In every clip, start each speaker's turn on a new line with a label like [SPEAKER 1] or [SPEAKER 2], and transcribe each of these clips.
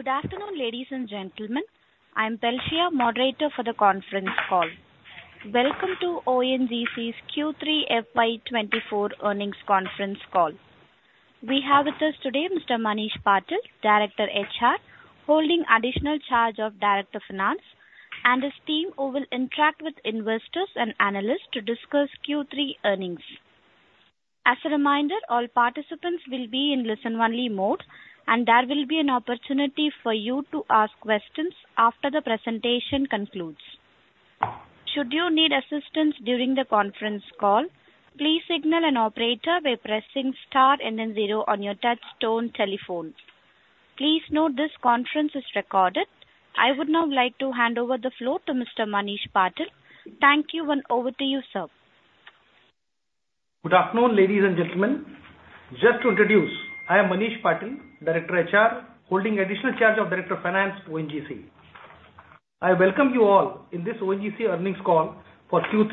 [SPEAKER 1] Good afternoon, ladies and gentlemen. I am Valsia, moderator for the conference call. Welcome to ONGC's Q3 FY 2024 earnings conference call. We have with us today Mr. Manish Patil, Director HR, holding additional charge of Director Finance, and his team, who will interact with investors and analysts to discuss Q3 earnings. As a reminder, all participants will be in listen-only mode, and there will be an opportunity for you to ask questions after the presentation concludes. Should you need assistance during the conference call, please signal an operator by pressing star and then zero on your touchtone telephone. Please note, this conference is recorded. I would now like to hand over the floor to Mr. Manish Patil. Thank you, and over to you, sir.
[SPEAKER 2] Good afternoon, ladies and gentlemen. Just to introduce, I am Manish Patil, Director HR, holding additional charge of Director Finance, ONGC. I welcome you all in this ONGC earnings call for Q3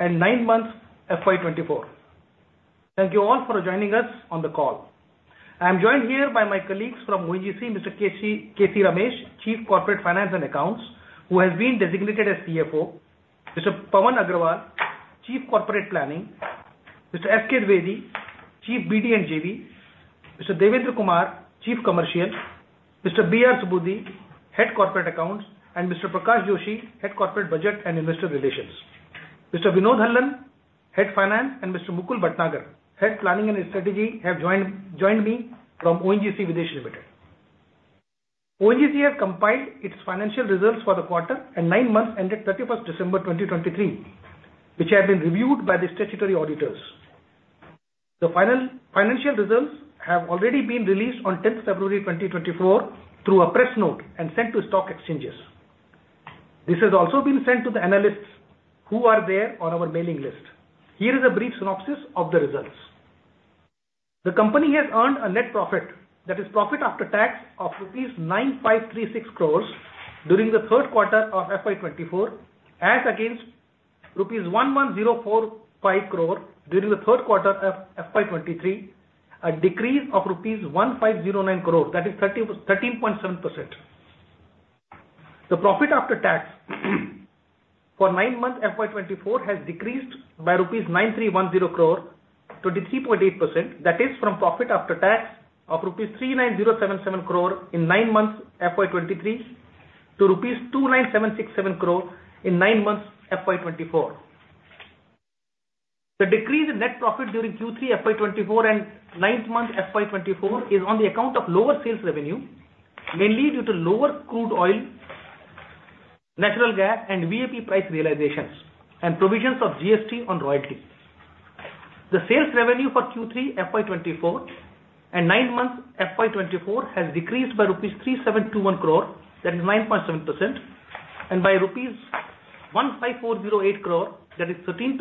[SPEAKER 2] and 9 months, FY 2024. Thank you all for joining us on the call. I'm joined here by my colleagues from ONGC, Mr. K.C. Ramesh, Chief Corporate Finance and Accounts, who has been designated as CFO. Mr. Pavan Aggarwal, Chief Corporate Planning. Mr. S. K. Dwivedi, Chief BD and JV. Mr. Devendra Kumar, Chief Commercial. Mr. B. R. Subudhi, Head Corporate Accounts. And Mr. Prakash Joshi, Head Corporate Budget and Investor Relations. Mr. Vinod Hallan, Head Finance, and Mr. Mukul Bhatnagar, Head Planning and Strategy, have joined me from ONGC Videsh Limited. ONGC has compiled its financial results for the quarter and nine months ended 31 December 2023, which have been reviewed by the statutory auditors. The financial results have already been released on 10 February 2024, through a press note and sent to stock exchanges. This has also been sent to the analysts who are there on our mailing list. Here is a brief synopsis of the results. The company has earned a net profit, that is profit after tax, of rupees 9,536 crore during the Q3 of FY 2024, as against rupees 11,045 crore during the Q3 of FY 2023, a decrease of rupees 1,509 crore, that is 13.7%. The profit after tax, for nine months, FY 2024, has decreased by rupees 9,310 crore to 3.8%, that is from profit after tax of rupees 39,077 crore in nine months, FY 2023, to rupees 29,767 crore in nine months, FY 2024. The decrease in net profit during Q3 FY 2024 and nine months FY 2024, is on the account of lower sales revenue, mainly due to lower crude oil, natural gas, and VAP price realizations and provisions of GST on royalty. The sales revenue for Q3 FY 2024 and nine months FY 2024, has decreased by rupees 3,721 crore, that is 9.7%, and by rupees 15,408 crore, that is 13%,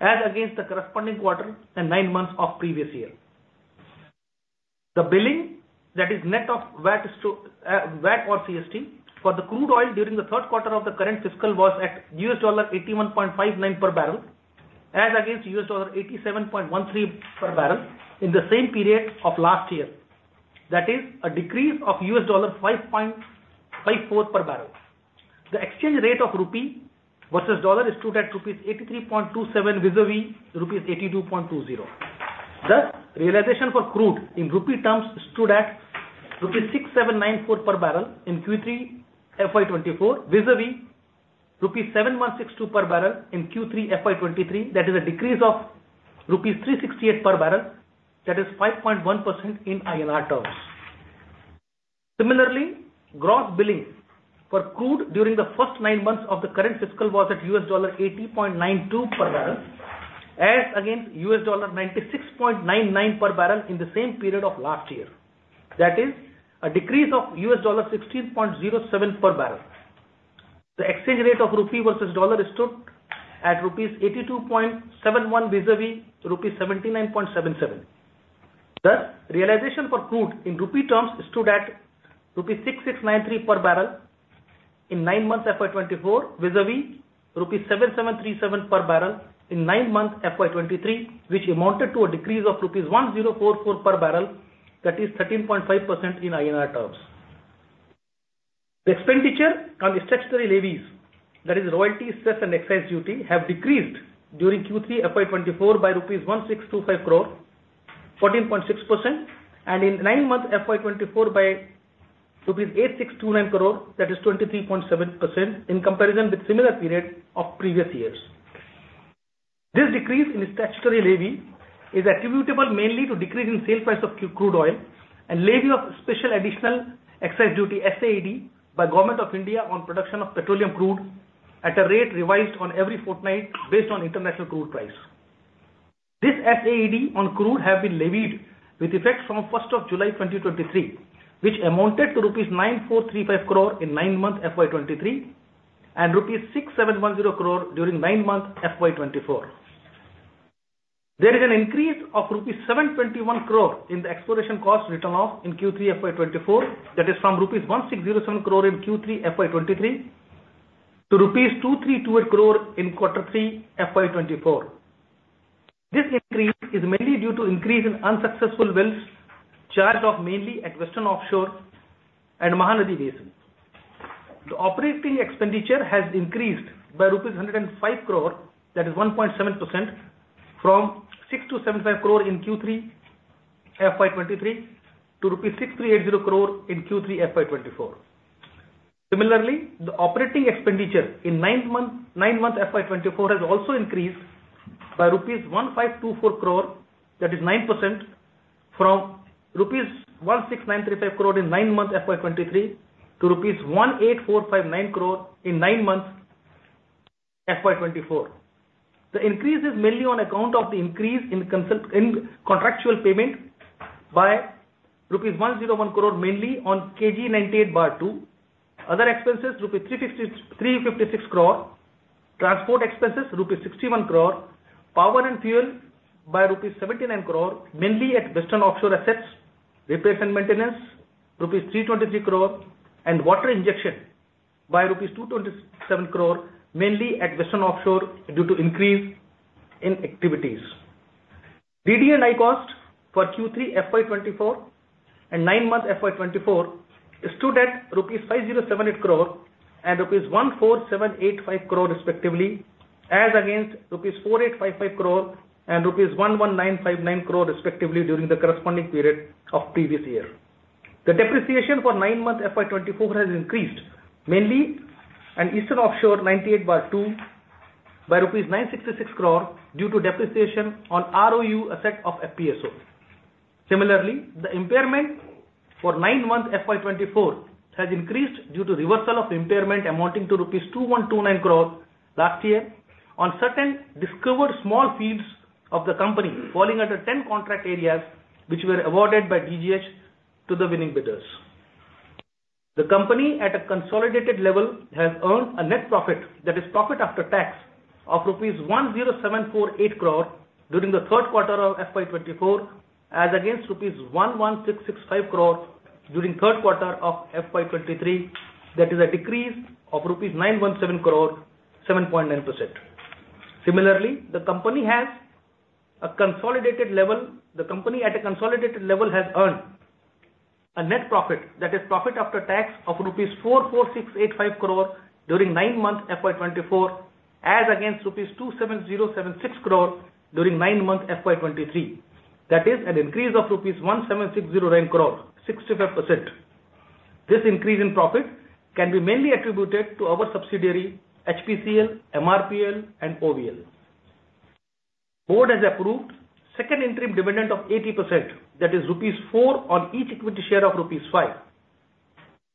[SPEAKER 2] as against the corresponding quarter and nine months of previous year. The billing that is net of VAT, GST or CST, for the crude oil during the Q3 of the current fiscal was at $81.59 per barrel, as against $87.13 per barrel in the same period of last year. That is a decrease of $5.54 per barrel. The exchange rate of rupee versus dollar stood at rupees 83.27, vis-à-vis rupees 82.20. Thus, realization for crude in rupee terms stood at rupees 6,794 per barrel in Q3 FY24, vis-à-vis rupees 7,162 per barrel in Q3 FY23. That is a decrease of rupees 368 per barrel, that is 5.1% in INR terms. Similarly, gross billings for crude during the first nine months of the current fiscal was at $80.92 per barrel, as against $96.99 per barrel in the same period of last year. That is a decrease of $16.07 per barrel. The exchange rate of rupee versus dollar stood at rupees 82.71, vis-a-vis rupee 79.77. Thus, realization for crude in rupee terms stood at rupees 6693 per barrel in nine months, FY 2024, vis-a-vis rupees 7737 per barrel in nine months, FY 2023, which amounted to a decrease of rupees 1044 per barrel, that is 13.5% in INR terms. The expenditure on statutory levies, that is royalty, cess, and excise duty, have decreased during Q3 FY 2024 by rupees 1,625 crore, 14.6%, and in nine months, FY 2024, by rupees 8,629 crore, that is 23.7%, in comparison with similar period of previous years. This decrease in statutory levy is attributable mainly to decrease in sale price of crude oil and levy of special additional excise duty, SAED, by Government of India on production of petroleum crude at a rate revised on every fortnight based on international crude price. This SAED on crude have been levied with effect from first of July 2023, which amounted to rupees 9,435 crore in nine months, FY 2023, and rupees 6,710 crore during nine months, FY 2024. There is an increase of rupees 721 crore in the exploration cost written off in Q3 FY24, that is from rupees 1,607 crore in Q3 FY23, to rupees 2,328 crore in quarter three, FY24. This increase is mainly due to increase in unsuccessful wells, charged off mainly at Western Offshore and Mahanadi Basin. The operating expenditure has increased by rupees 105 crore, that is 1.7%, from 6,075 crore in Q3 FY23 to rupees 6,380 crore in Q3 FY24. Similarly, the operating expenditure in nine months FY 2024 has also increased by rupees 1,524 crore, that is 9%, from rupees 16,935 crore in nine months FY 2023, to rupees 18,459 crore in nine months FY 2024. The increase is mainly on account of the increase in contractual payment by rupees 101 crore, mainly on KG-DWN-98/2. Other expenses, rupees 356 crore, transport expenses, rupees 61 crore, power and fuel by rupees 79 crore, mainly at Western Offshore assets, repairs and maintenance, rupees 323 crore, and water injection by rupees 227 crore, mainly at Western Offshore, due to increase in activities. DD&I cost for Q3 FY 2024 and nine months FY 2024 stood at rupees 5,078 crore and rupees 14,785 crore respectively, as against rupees 4,855 crore and rupees 11,959 crore respectively, during the corresponding period of previous year. The depreciation for nine months FY 2024 has increased, mainly in Eastern Offshore 98/2, by rupees 966 crore due to depreciation on ROU asset of FPSO. Similarly, the impairment for nine months FY 2024 has increased due to reversal of impairment amounting to rupees 2,129 crore last year on certain discovered small fields of the company, falling under 10 contract areas, which were awarded by DGH to the winning bidders. The company, at a consolidated level, has earned a net profit, that is, profit after tax of rupees 10,748 crore during the Q3 of FY 2024, as against rupees 11,665 crore during Q3 of FY 2023. That is a decrease of rupees 917 crore, 7.9%. Similarly, the company has a consolidated level, the company at a consolidated level has earned a net profit, that is, profit after tax of rupees 44,685 crore during nine months FY 2024, as against rupees 27,076 crore during nine months FY 2023. That is an increase of rupees 17,609 crore, 65%. This increase in profit can be mainly attributed to our subsidiary, HPCL, MRPL, and OVL. Board has approved second interim dividend of 80%, that is, rupees 4 on each equity share of rupees 5.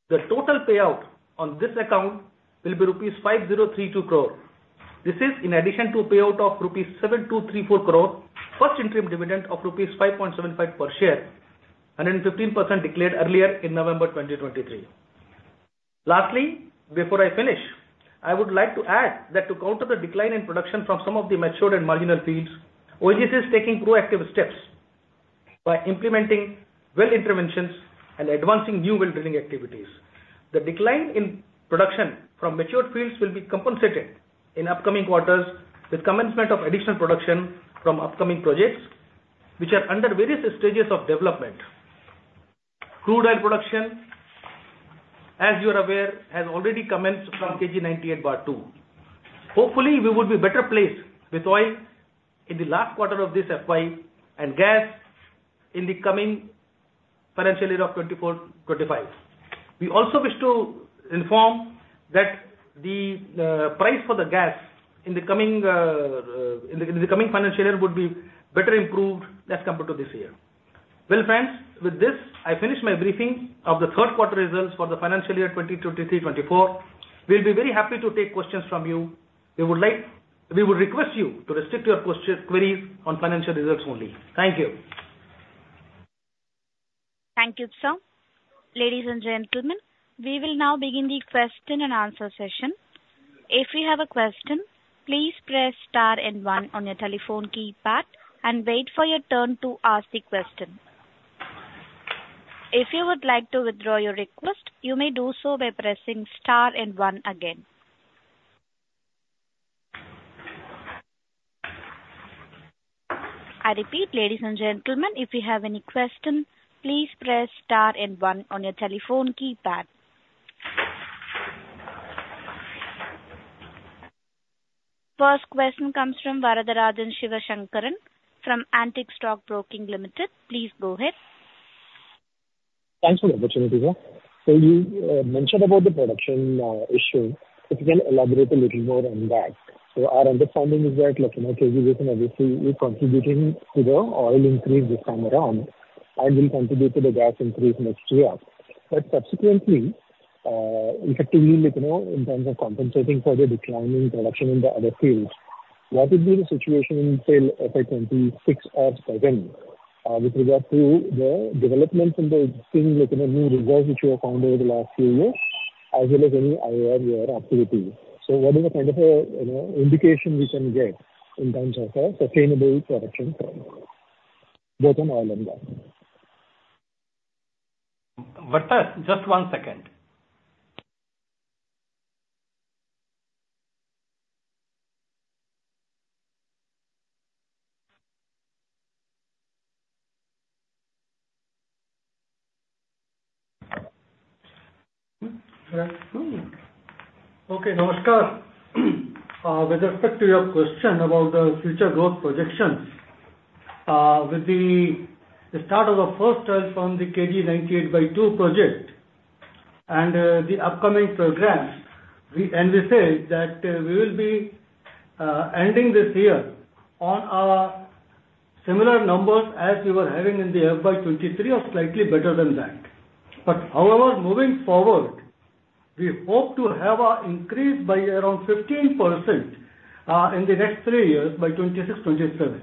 [SPEAKER 2] The total payout on this account will be rupees 5,032 crore. This is in addition to payout of rupees 7,234 crore, first interim dividend of rupees 5.75 per share, and then 15% declared earlier in November 2023. Lastly, before I finish, I would like to add that to counter the decline in production from some of the matured and marginal fields, ONGC is taking proactive steps by implementing well interventions and advancing new well drilling activities. The decline in production from matured fields will be compensated in upcoming quarters with commencement of additional production from upcoming projects, which are under various stages of development. Crude oil production, as you are aware, has already commenced from KG-DWN-98/2. Hopefully, we would be better placed with oil in the last quarter of this FY, and gas in the coming financial year of 2024-25. We also wish to inform that the price for the gas in the coming financial year would be better improved as compared to this year. Well, friends, with this, I finish my briefing of the Q3 results for the financial year 2023-24. We'll be very happy to take questions from you. We would like to request you to restrict your queries on financial results only. Thank you.
[SPEAKER 1] Thank you, sir. Ladies and gentlemen, we will now begin the question and answer session. If you have a question, please press star and one on your telephone keypad and wait for your turn to ask the question. If you would like to withdraw your request, you may do so by pressing star and one again. I repeat, ladies and gentlemen, if you have any question, please press star and one on your telephone keypad. First question comes from Varatharajan Sivasankaran from Antique Stock Broking Limited. Please go ahead.
[SPEAKER 3] Thanks for the opportunity, sir. So you mentioned about the production issue. If you can elaborate a little more on that. So our understanding is that, like, you know, KG Basin obviously is contributing to the oil increase this time around and will contribute to the gas increase next year. But subsequently, effectively, like, you know, in terms of compensating for the decline in production in the other fields, what would be the situation in, say, FY 2026 or 2027, with regard to the developments in the existing, like, you know, new reserves which you have found over the last few years, as well as any higher year activity? So what is the kind of a, you know, indication we can get in terms of a sustainable production from both on oil and gas?
[SPEAKER 2] Vartha, just one second. ...
[SPEAKER 4] Okay, Namaskar. With respect to your question about the future growth projections, with the start of the first oil from the KG-DWN-98/2 project and the upcoming programs, we anticipate that we will be ending this year on similar numbers as we were having in the FY 2023 or slightly better than that. But however, moving forward, we hope to have an increase by around 15% in the next three years by 2026-2027.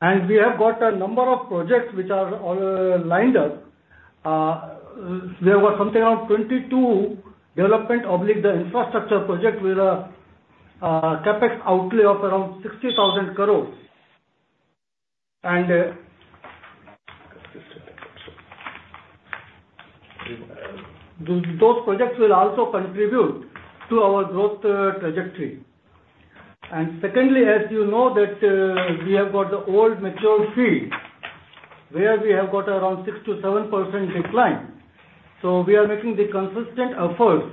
[SPEAKER 4] And we have got a number of projects which are lined up. There were something around 22 development/infrastructure projects with a CapEx outlay of around 60,000 crore. And those projects will also contribute to our growth trajectory. Secondly, as you know, that we have got the old mature field, where we have got around 6%-7% decline. So we are making the consistent efforts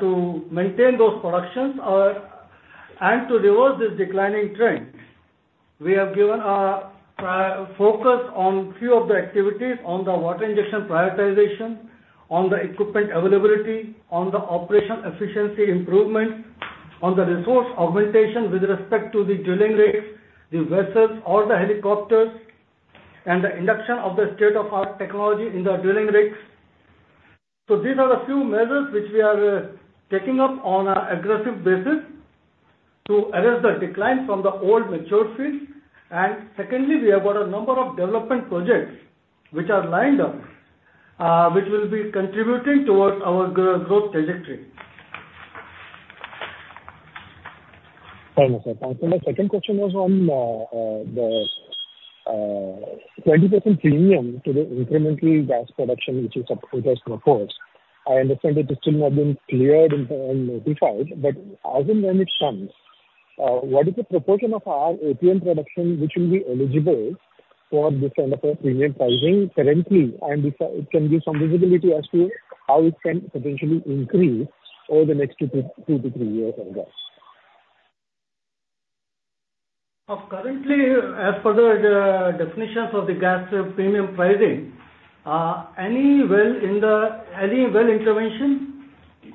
[SPEAKER 4] to maintain those productions and to reverse this declining trend. We have given a focus on few of the activities, on the water injection prioritization, on the equipment availability, on the operational efficiency improvement, on the resource augmentation with respect to the drilling rates, the vessels or the helicopters, and the induction of the state-of-the-art technology in the drilling rigs. So these are the few measures which we are taking up on an aggressive basis to arrest the decline from the old mature fields. Secondly, we have got a number of development projects which are lined up, which will be contributing towards our growth trajectory.
[SPEAKER 3] Thank you, sir. And so my second question was on the 20% premium to the incremental gas production, which is up with us reports. I understand it is still not been cleared and notified, but as and when it comes, what is the proportion of our APM production which will be eligible for this kind of a premium pricing currently? And if it can give some visibility as to how it can potentially increase over the next two to three years on gas.
[SPEAKER 4] Currently, as per the definitions of the gas premium pricing, any well in the, any well intervention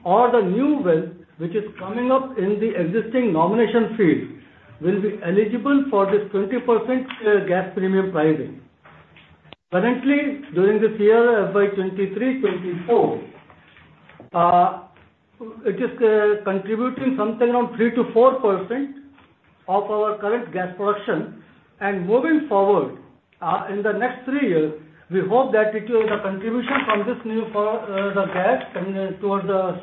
[SPEAKER 4] or the new well, which is coming up in the existing nomination field, will be eligible for this 20% gas premium pricing. Currently, during this year, FY 2023-2024, it is contributing something around 3%-4% of our current gas production. And moving forward, in the next three years, we hope that it will, the contribution from this new for, the gas coming towards the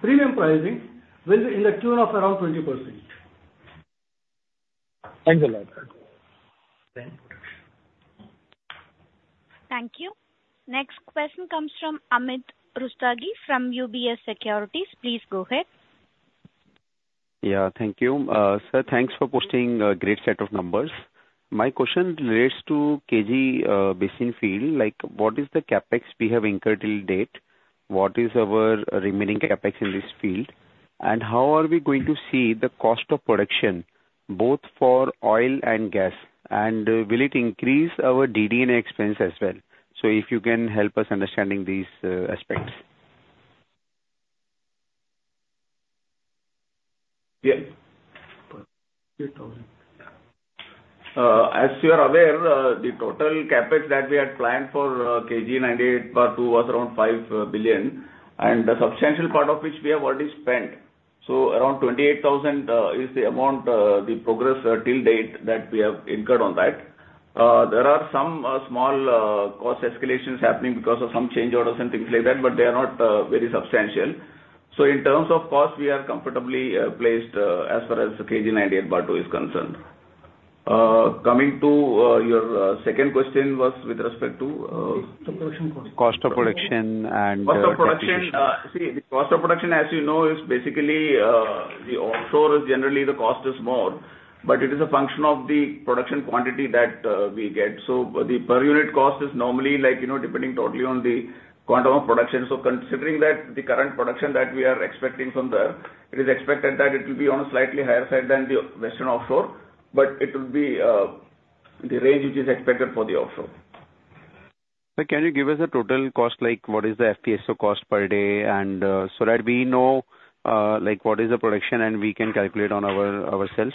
[SPEAKER 4] premium pricing will be in the tune of around 20%.
[SPEAKER 3] Thanks a lot. Thank you.
[SPEAKER 1] Thank you. Next question comes from Amit Rustagi from UBS Securities. Please go ahead.
[SPEAKER 5] Yeah, thank you. Sir, thanks for posting a great set of numbers. My question relates to KG Basin field, like, what is the CapEx we have incurred till date? What is our remaining CapEx in this field? And how are we going to see the cost of production, both for oil and gas? And will it increase our DD&I expense as well? So if you can help us understanding these aspects.
[SPEAKER 4] Yeah. As you are aware, the total CapEx that we had planned for KG 98/2 was around $5 billion, and the substantial part of which we have already spent. So around $2.8 billion is the amount, the progress till date that we have incurred on that. There are some small cost escalations happening because of some change orders and things like that, but they are not very substantial. So in terms of cost, we are comfortably placed as far as the KG 98/2 is concerned. Coming to your second question was with respect to-
[SPEAKER 3] The production cost.
[SPEAKER 5] Cost of production and
[SPEAKER 4] Cost of production, see, the cost of production, as you know, is basically, the offshore is generally the cost is more, but it is a function of the production quantity that we get. So the per unit cost is normally like, you know, depending totally on the quantum of production. So considering that the current production that we are expecting from there, it is expected that it will be on a slightly higher side than the Western Offshore, but it will be, the range which is expected for the offshore.
[SPEAKER 5] Sir, can you give us a total cost, like what is the FPSO cost per day, and, so that we know, like what is the production, and we can calculate on our, ourselves?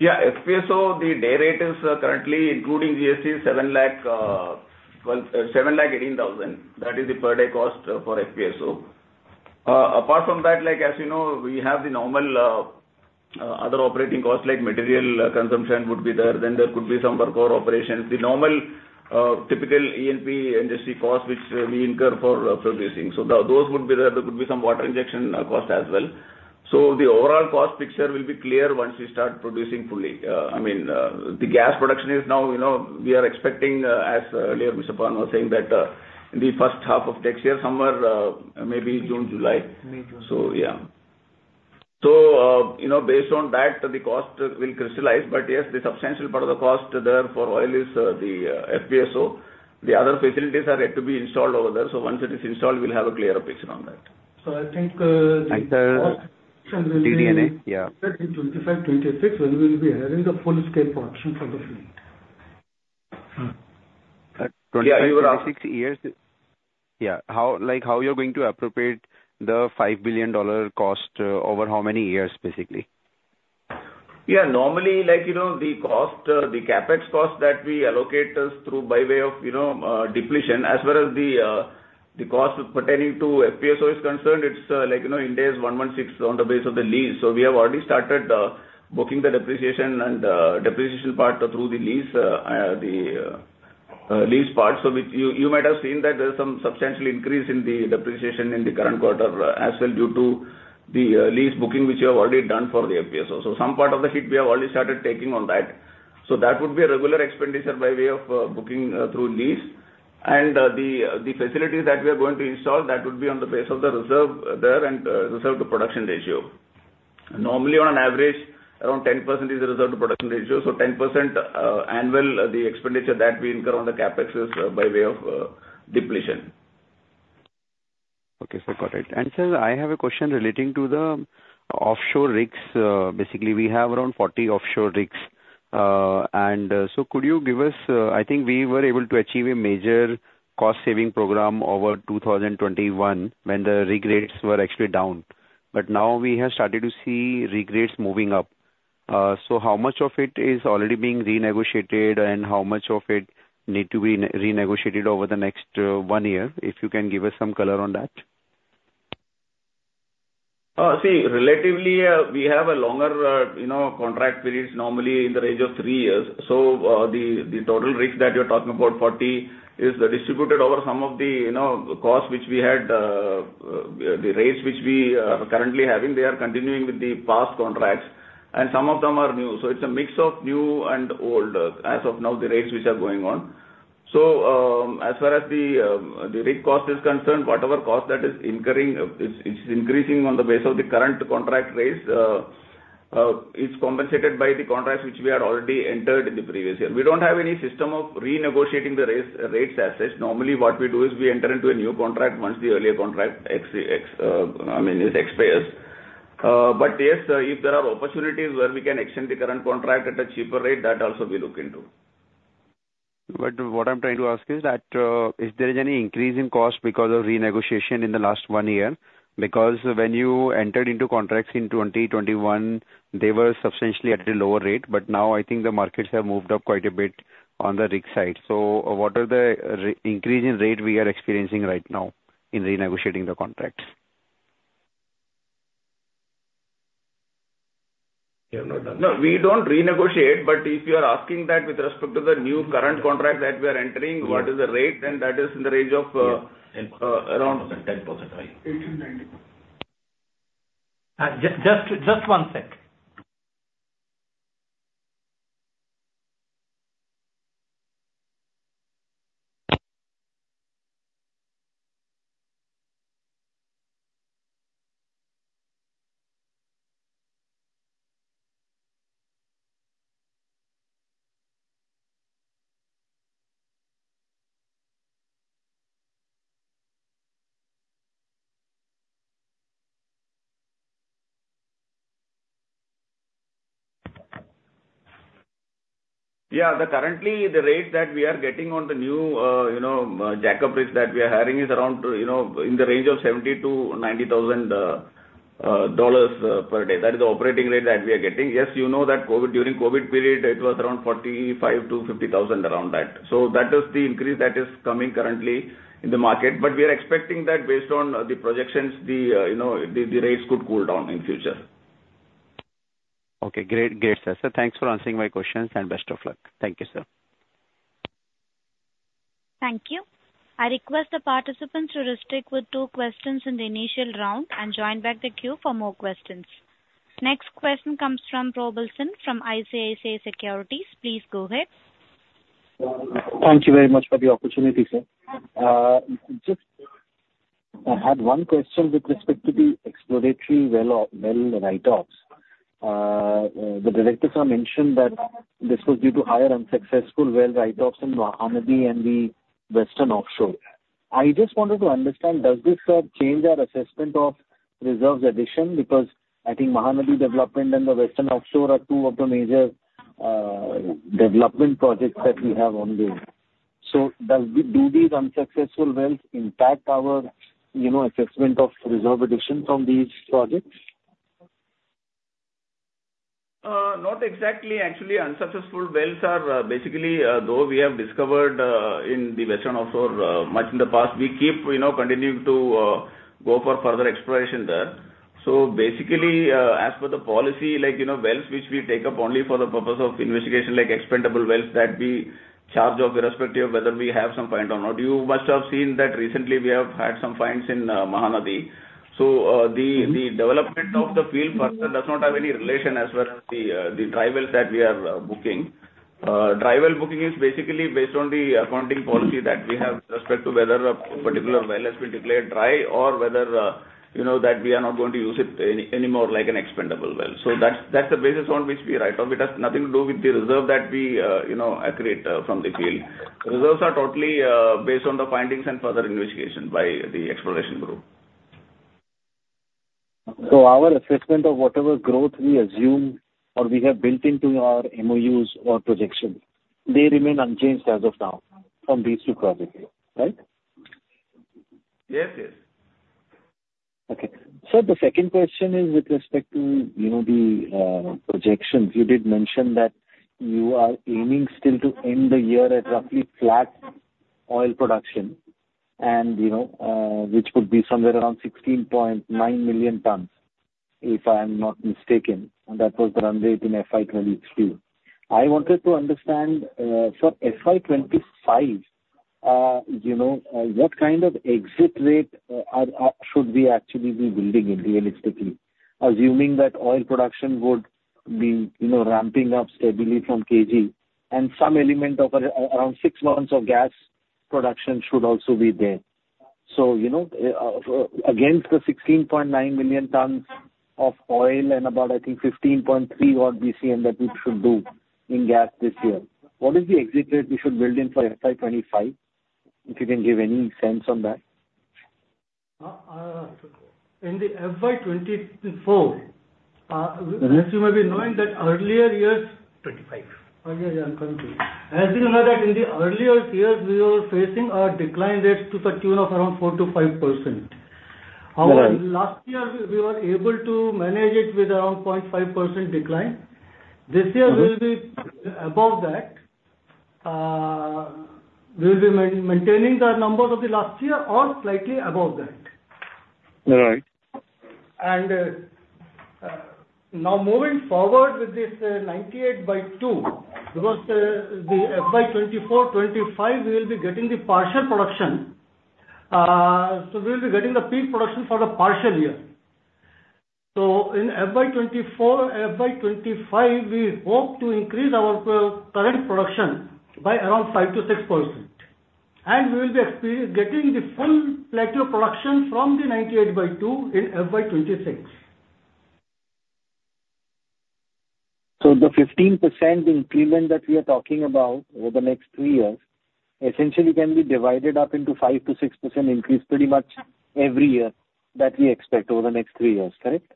[SPEAKER 4] Yeah, FPSO, the day rate is currently, including GST, 718,000. That is the per day cost for FPSO. Apart from that, like as you know, we have the normal, other operating costs, like material consumption would be there, then there could be some work or operations. The normal, typical E&P industry cost, which we incur for producing. So those would be there. There could be some water injection cost as well....So the overall cost picture will be clear once we start producing fully. I mean, the gas production is now, you know, we are expecting, as earlier Mr. Pavan was saying, that, in the first half of next year, somewhere, maybe June, July.
[SPEAKER 6] May, June.
[SPEAKER 4] So, yeah. So, you know, based on that, the cost will crystallize. But yes, the substantial part of the cost there for oil is the FPSO. The other facilities are yet to be installed over there, so once it is installed, we'll have a clearer picture on that.
[SPEAKER 5] So I think,
[SPEAKER 6] The DNA, yeah.
[SPEAKER 4] 25, 26, when we will be having the full scale production for the field. Hmm.
[SPEAKER 5] 25-26 years? Yeah, how, like, how you're going to appropriate the $5 billion cost over how many years, basically?
[SPEAKER 4] Yeah, normally, like, you know, the cost, the CapEx cost that we allocate is through by way of, you know, depletion, as well as the cost pertaining to FPSO is concerned, it's, like, you know, in days 116 on the basis of the lease. So we have already started booking the depreciation and depreciation part through the lease, the lease part. So which you might have seen that there is some substantial increase in the depreciation in the current quarter, as well, due to the lease booking, which you have already done for the FPSO. So some part of the hit we have already started taking on that. So that would be a regular expenditure by way of booking through lease. The facilities that we are going to install, that would be on the base of the reserve there and reserve to production ratio. Normally, on an average, around 10% is the reserve to production ratio, so 10% annual, the expenditure that we incur on the CapEx is by way of depletion.
[SPEAKER 5] Okay, sir. Got it. And sir, I have a question relating to the offshore rigs. Basically, we have around 40 offshore rigs. And so could you give us... I think we were able to achieve a major cost saving program over 2021, when the rig rates were actually down. But now we have started to see rig rates moving up. So how much of it is already being renegotiated, and how much of it need to be re-renegotiated over the next 1 year? If you can give us some color on that.
[SPEAKER 4] See, relatively, we have a longer, you know, contract periods, normally in the range of three years. So, the, the total rig that you're talking about, 40, is distributed over some of the, you know, cost which we had, the rates which we are currently having, they are continuing with the past contracts, and some of them are new. So it's a mix of new and old, as of now, the rates which are going on. So, as far as the, the rig cost is concerned, whatever cost that is incurring, is, is increasing on the base of the current contract rates, is compensated by the contracts which we had already entered in the previous year. We don't have any system of renegotiating the rates, rates as such. Normally, what we do is we enter into a new contract once the earlier contract expires. But yes, if there are opportunities where we can extend the current contract at a cheaper rate, that also we look into.
[SPEAKER 5] But what I'm trying to ask is that, is there any increase in cost because of renegotiation in the last one year? Because when you entered into contracts in 2021, they were substantially at a lower rate, but now I think the markets have moved up quite a bit on the rig side. So what are the increase in rate we are experiencing right now in renegotiating the contracts?
[SPEAKER 4] Yeah, no, we don't renegotiate, but if you are asking that with respect to the new current contract that we are entering, what is the rate, then that is in the range of around 10% high.
[SPEAKER 6] 8-90.
[SPEAKER 4] Just, just one sec.
[SPEAKER 6] Yeah. Currently, the rate that we are getting on the new jackup rigs that we are hiring is around, you know, in the range of $70,000-$90,000 per day. That is the operating rate that we are getting. Yes, you know that during COVID period, it was around $45,000-$50,000, around that. So that is the increase that is coming currently in the market. But we are expecting that based on the projections, you know, the rates could cool down in future.
[SPEAKER 5] Okay, great. Great, sir. Sir, thanks for answering my questions, and best of luck. Thank you, sir.
[SPEAKER 1] Thank you. I request the participants to stick with two questions in the initial round and join back the queue for more questions. Next question comes from Probal Sen from ICICI Securities. Please go ahead.
[SPEAKER 7] Thank you very much for the opportunity, sir. Just I had one question with respect to the exploratory well, well write-offs. The directors have mentioned that this was due to higher unsuccessful well write-offs in Mahanadi and the Western Offshore. I just wanted to understand: does this change our assessment of reserves addition? Because I think Mahanadi Development and the Western Offshore are two of the major development projects that we have ongoing. So does, do these unsuccessful wells impact our, you know, assessment of reserve addition from these projects?
[SPEAKER 4] Not exactly. Actually, unsuccessful wells are, basically, though we have discovered, in the Western Offshore, much in the past, we keep, you know, continuing to, go for further exploration there. So basically, as per the policy, like, you know, wells which we take up only for the purpose of investigation, like expendable wells that we charge off, irrespective of whether we have some find or not. You must have seen that recently we have had some finds in, Mahanadi. So, the-
[SPEAKER 7] Mm-hmm....
[SPEAKER 4] the development of the field further does not have any relation as well as the, the dry wells that we are, booking.... Dry well booking is basically based on the accounting policy that we have with respect to whether a particular well has been declared dry or whether, you know, that we are not going to use it any, anymore, like an expendable well. So that's, that's the basis on which we write off. It has nothing to do with the reserve that we, you know, accrete from the field. Reserves are totally based on the findings and further investigation by the exploration group.
[SPEAKER 7] Our assessment of whatever growth we assume or we have built into our MOUs or projection, they remain unchanged as of now from these two projects, right?
[SPEAKER 4] Yes, yes.
[SPEAKER 7] Okay. Sir, the second question is with respect to, you know, the projections. You did mention that you are aiming still to end the year at roughly flat oil production and, you know, which would be somewhere around 16.9 million tons, if I'm not mistaken, and that was the run rate in FY 2026. I wanted to understand, so FY 2025, you know, what kind of exit rate should we actually be building in realistically? Assuming that oil production would be, you know, ramping up steadily from KG, and some element of around 6 months of gas production should also be there. So, you know, against the 16.9 million tons of oil and about, I think, 15.3 or BCM that we should do in gas this year, what is the exit rate we should build in for FY 2025? If you can give any sense on that.
[SPEAKER 4] in the FY 2024
[SPEAKER 7] Mm-hmm.
[SPEAKER 4] As you may be knowing that earlier years-
[SPEAKER 7] Twenty-five.
[SPEAKER 4] Oh, yeah, yeah, I'm confused. As you know that in the earlier years, we were facing a decline rate to the tune of around 4%-5%.
[SPEAKER 7] Right.
[SPEAKER 4] However, last year, we were able to manage it with around 0.5% decline.
[SPEAKER 7] Mm-hmm.
[SPEAKER 4] This year we'll be above that. We'll be maintaining the numbers of the last year or slightly above that.
[SPEAKER 7] Right.
[SPEAKER 4] Now moving forward with this 98 by 2, because the FY 2024-2025, we will be getting the partial production. So we'll be getting the peak production for the partial year. So in FY 2024-2025, we hope to increase our current production by around 5%-6%, and we will be getting the full plateau production from the 98 by 2 in FY 2026.
[SPEAKER 7] The 15% improvement that we are talking about over the next three years essentially can be divided up into 5%-6% increase pretty much every year that we expect over the next three years, correct?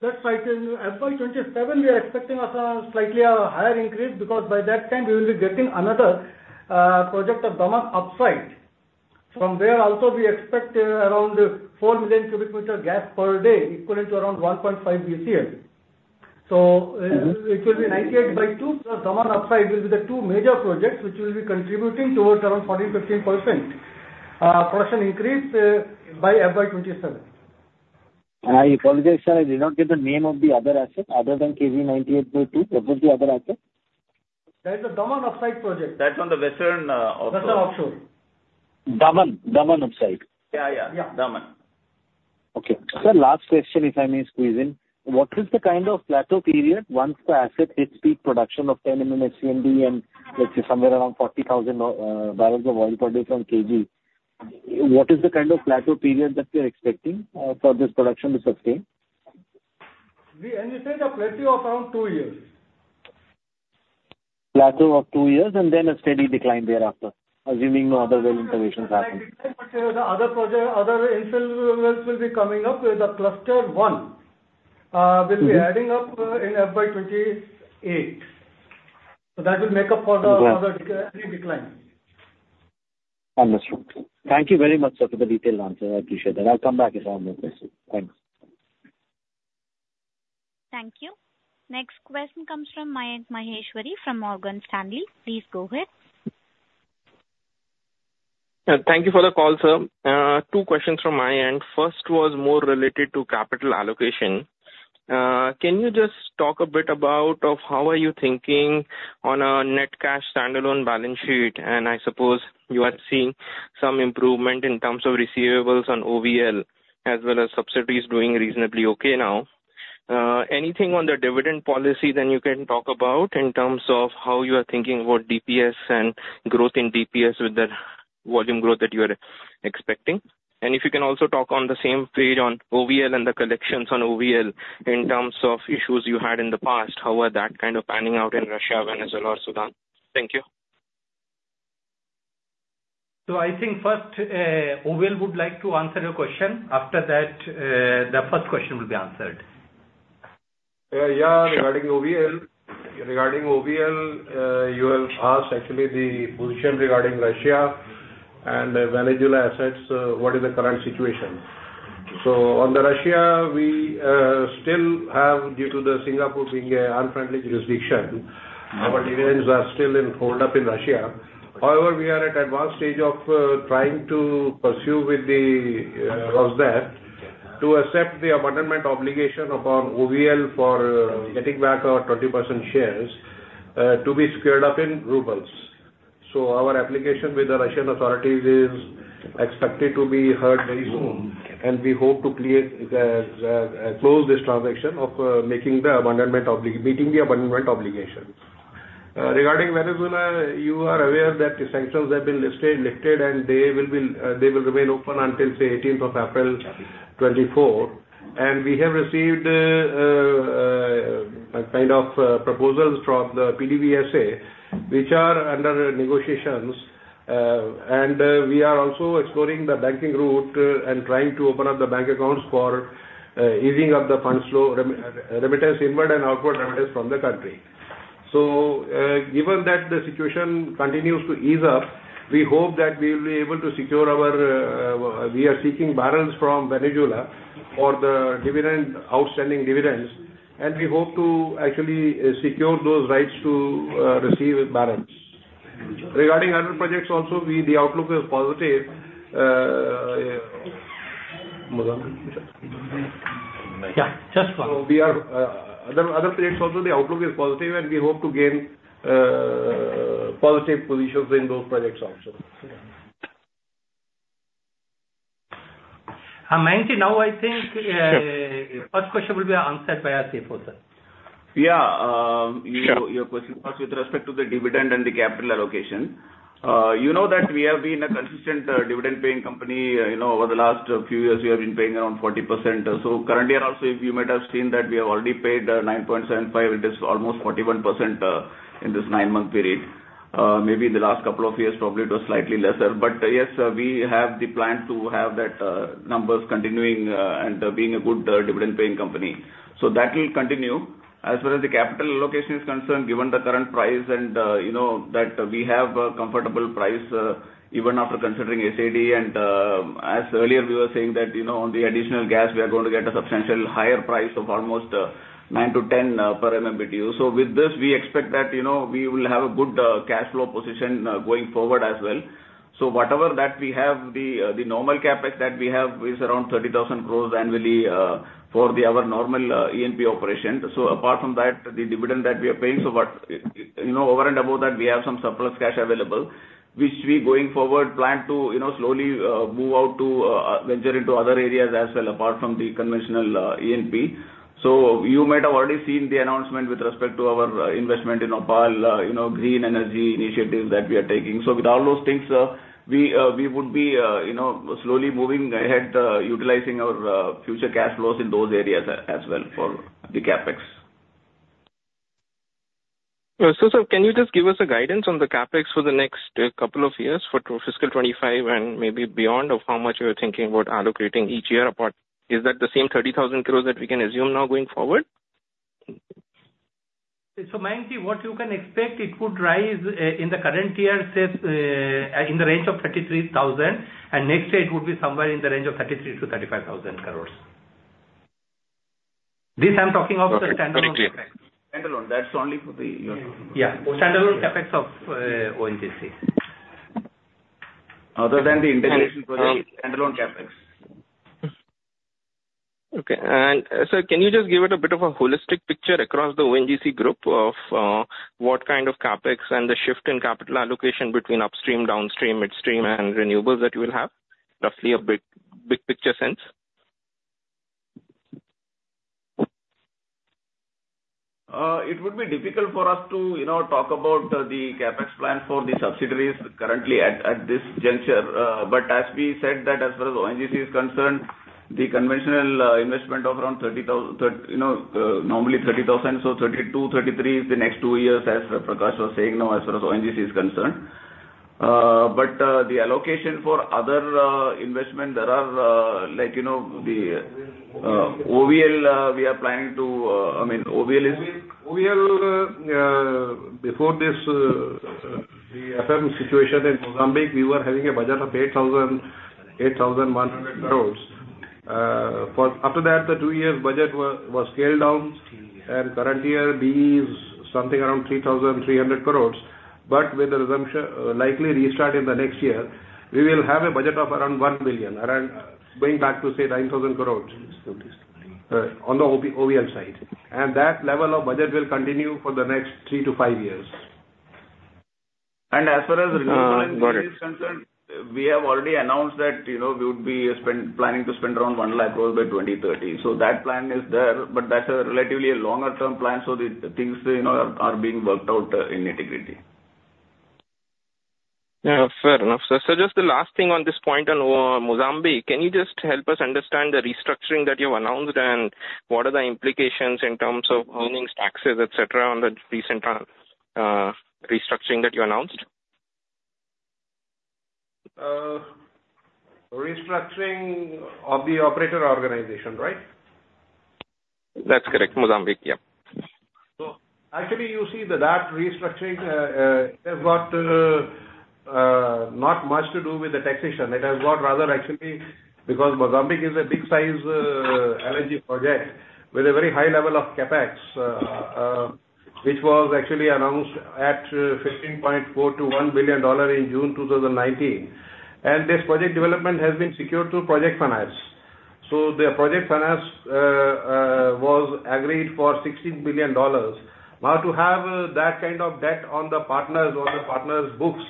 [SPEAKER 4] That's right. In FY 2027, we are expecting a slightly higher increase, because by that time we will be getting another project of Daman Upside. From there also, we expect around 4 million cu m gas per day, equivalent to around 1.5 BCF.
[SPEAKER 7] Mm-hmm.
[SPEAKER 4] It will be 98/2 plus Daman Upside will be the two major projects which will be contributing towards around 14%-15% production increase by FY 2027.
[SPEAKER 7] I apologize, sir, I did not get the name of the other asset other than KG 98/2. What was the other asset?
[SPEAKER 4] There is a Daman Upside project.
[SPEAKER 8] That's on the Western Offshore.
[SPEAKER 4] Western offshore.
[SPEAKER 7] Daman? Daman upside.
[SPEAKER 8] Yeah, yeah.
[SPEAKER 4] Yeah.
[SPEAKER 8] Daman.
[SPEAKER 7] Okay. Sir, last question, if I may squeeze in: What is the kind of plateau period once the asset hits peak production of 10 MMSCFD and, let's say, somewhere around 40,000 bbl of oil produced on KG? What is the kind of plateau period that we are expecting for this production to sustain?
[SPEAKER 4] We anticipate a plateau of around two years.
[SPEAKER 7] Plateau of two years, and then a steady decline thereafter, assuming no other well interventions happen.
[SPEAKER 4] The other project, other infill wells will be coming up with the Cluster 1.
[SPEAKER 7] Mm-hmm.
[SPEAKER 4] -We’ll be adding up, in FY 2028. So that will make up for the-
[SPEAKER 7] Mm-hmm.
[SPEAKER 4] for the decline.
[SPEAKER 7] Understood. Thank you very much, sir, for the detailed answer. I appreciate that. I'll come back if I have more questions. Thanks.
[SPEAKER 1] Thank you. Next question comes from Mayank Maheshwari, from Morgan Stanley. Please go ahead.
[SPEAKER 9] Thank you for the call, sir. Two questions from my end. First was more related to capital allocation. Can you just talk a bit about of how are you thinking on a net cash standalone balance sheet? And I suppose you are seeing some improvement in terms of receivables on OVL, as well as subsidiaries doing reasonably okay now. Anything on the dividend policy that you can talk about in terms of how you are thinking about DPS and growth in DPS with the volume growth that you are expecting? And if you can also talk on the same page on OVL and the collections on OVL, in terms of issues you had in the past, how are that kind of panning out in Russia, Venezuela, or Sudan? Thank you.
[SPEAKER 4] So I think first, OVL would like to answer your question. After that, the first question will be answered.
[SPEAKER 8] Yeah, regarding OVL, regarding OVL, you have asked actually the position regarding Russia and the Venezuela assets, what is the current situation? So on the Russia, we still have, due to the Singapore being an unfriendly jurisdiction, our dividends are still held up in Russia. However, we are at advanced stage of trying to pursue with the Rosneft to accept the abandonment obligation upon OVL for getting back our 20% shares, to be squared up in rubles. So our application with the Russian authorities is expected to be heard very soon, and we hope to clear the close this transaction of meeting the abandonment obligations. Regarding Venezuela, you are aware that the sanctions have been lifted, lifted, and they will remain open until the eighteenth of April 2024. We have received a kind of proposals from the PDVSA, which are under negotiations. We are also exploring the banking route and trying to open up the bank accounts for easing up the fund flow, remittance inward and outward remittance from the country. So, given that the situation continues to ease up, we hope that we will be able to secure our... We are seeking balance from Venezuela for the dividend, outstanding dividends, and we hope to actually secure those rights to receive balance. Regarding other projects also, we, the outlook is positive.
[SPEAKER 10] Yeah, just one.
[SPEAKER 8] So we are other projects also. The outlook is positive, and we hope to gain positive positions in those projects also.
[SPEAKER 10] Mayank, now I think, first question will be answered by our CFO, sir.
[SPEAKER 6] Yeah, your question was with respect to the dividend and the capital allocation. You know that we have been a consistent dividend paying company. You know, over the last few years, we have been paying around 40%. So currently, and also you might have seen that we have already paid 9.75, it is almost 41%, in this nine-month period. Maybe in the last couple of years, probably it was slightly lesser. But, yes, we have the plan to have that numbers continuing, and being a good dividend paying company. So that will continue. As well as the capital allocation is concerned, given the current price and, you know, that we have a comfortable price, even after considering SAD, and, as earlier we were saying that, you know, on the additional gas, we are going to get a substantial higher price of almost $9-$10 per MMBTU. So with this, we expect that, you know, we will have a good cash flow position going forward as well. So whatever that we have, the normal CapEx that we have is around 30,000 crore annually for the our normal E&P operation. So apart from that, the dividend that we are paying, so what, you know, over and above that, we have some surplus cash available, which we going forward plan to, you know, slowly, move out to, venture into other areas as well, apart from the conventional, E&P. So you might have already seen the announcement with respect to our, investment in OPaL, you know, green energy initiatives that we are taking. So with all those things, we would be, you know, slowly moving ahead, utilizing our, future cash flows in those areas as well for the CapEx.
[SPEAKER 9] sir, can you just give us a guidance on the CapEx for the next couple of years, for fiscal 2025 and maybe beyond, of how much you are thinking about allocating each year apart? Is that the same 30,000 crore that we can assume now going forward?
[SPEAKER 6] Mayank, what you can expect, it could rise in the current year, say, in the range of 33,000 crore, and next year it would be somewhere in the range of 33,000-35,000 crore. This I'm talking of the standalone CapEx.
[SPEAKER 9] Standalone. That's only for the-
[SPEAKER 6] Yeah, standalone CapEx of ONGC.
[SPEAKER 10] Other than the integration for the standalone CapEx.
[SPEAKER 9] Okay. Sir, can you just give it a bit of a holistic picture across the ONGC group of what kind of CapEx and the shift in capital allocation between upstream, downstream, midstream, and renewables that you will have? Roughly a big, big picture sense.
[SPEAKER 6] It would be difficult for us to, you know, talk about the CapEx plan for the subsidiaries currently at this juncture. But as we said, as far as ONGC is concerned, the conventional investment of around 30,000 crore, normally 30,000 crore, so 32,000 crore-33,000 crore is the next two years, as Prakash was saying now, as far as ONGC is concerned. But the allocation for other investment, there are, like, you know, the OVL, we are planning to, I mean, OVL is-
[SPEAKER 8] OVL, before this, the FM situation in Mozambique, we were having a budget of 8,000-8,100 crores. For after that, the two years budget was scaled down, and current year be something around 3,300 crores. But with the resumption, likely restart in the next year, we will have a budget of around $1 billion, around going back to, say, 9,000 crores, on the OVL side. And that level of budget will continue for the next 3-5 years.
[SPEAKER 6] As far as renewable energy is concerned, we have already announced that, you know, we would be planning to spend around 100,000 crore by 2030. So that plan is there, but that's a relatively a longer term plan, so the things, you know, are being worked out in integrity.
[SPEAKER 9] Yeah, fair enough, sir. So just the last thing on this point on Mozambique, can you just help us understand the restructuring that you've announced, and what are the implications in terms of earnings, taxes, et cetera, on the recent restructuring that you announced?
[SPEAKER 8] Restructuring of the operator organization, right?
[SPEAKER 9] That's correct. Mozambique, yeah.
[SPEAKER 8] So actually, you see that that restructuring has got not much to do with the taxation. It has got rather actually, because Mozambique is a big size energy project with a very high level of CapEx, which was actually announced at $15.4 billion-$1 billion in June 2019. And this project development has been secured through project finance. So the project finance was agreed for $16 billion. Now to have that kind of debt on the partners, on the partners' books,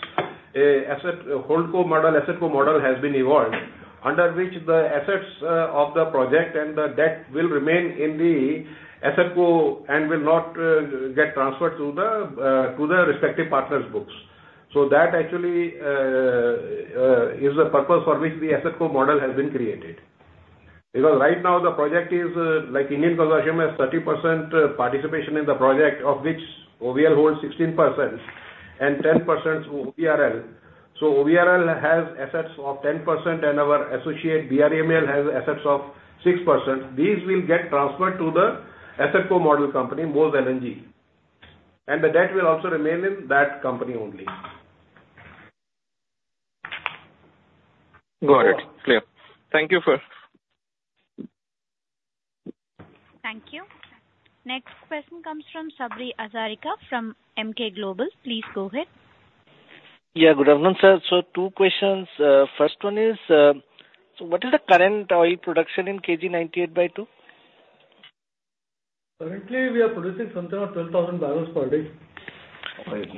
[SPEAKER 8] an asset holdco model, AssetCo model has been evolved, under which the assets of the project and the debt will remain in the AssetCo and will not get transferred to the respective partners' books. So that actually is the purpose for which the AssetCo model has been created. Because right now the project is, like Indian Oil Corporation has 30% participation in the project, of which OVL holds 16% and 10% is OVRL. So OVRL has assets of 10%, and our associate, BREML, has assets of 6%. These will get transferred to the AssetCo model company, Moz LNG, and the debt will also remain in that company only.
[SPEAKER 9] Got it. Clear. Thank you, sir.
[SPEAKER 1] Thank you. Next question comes from Sabri Hazarika from Emkay Global. Please go ahead.
[SPEAKER 11] Yeah, good afternoon, sir. So two questions. First one is, so what is the current oil production in KG-98/2?
[SPEAKER 8] Currently, we are producing something of 12,000 bbl per day.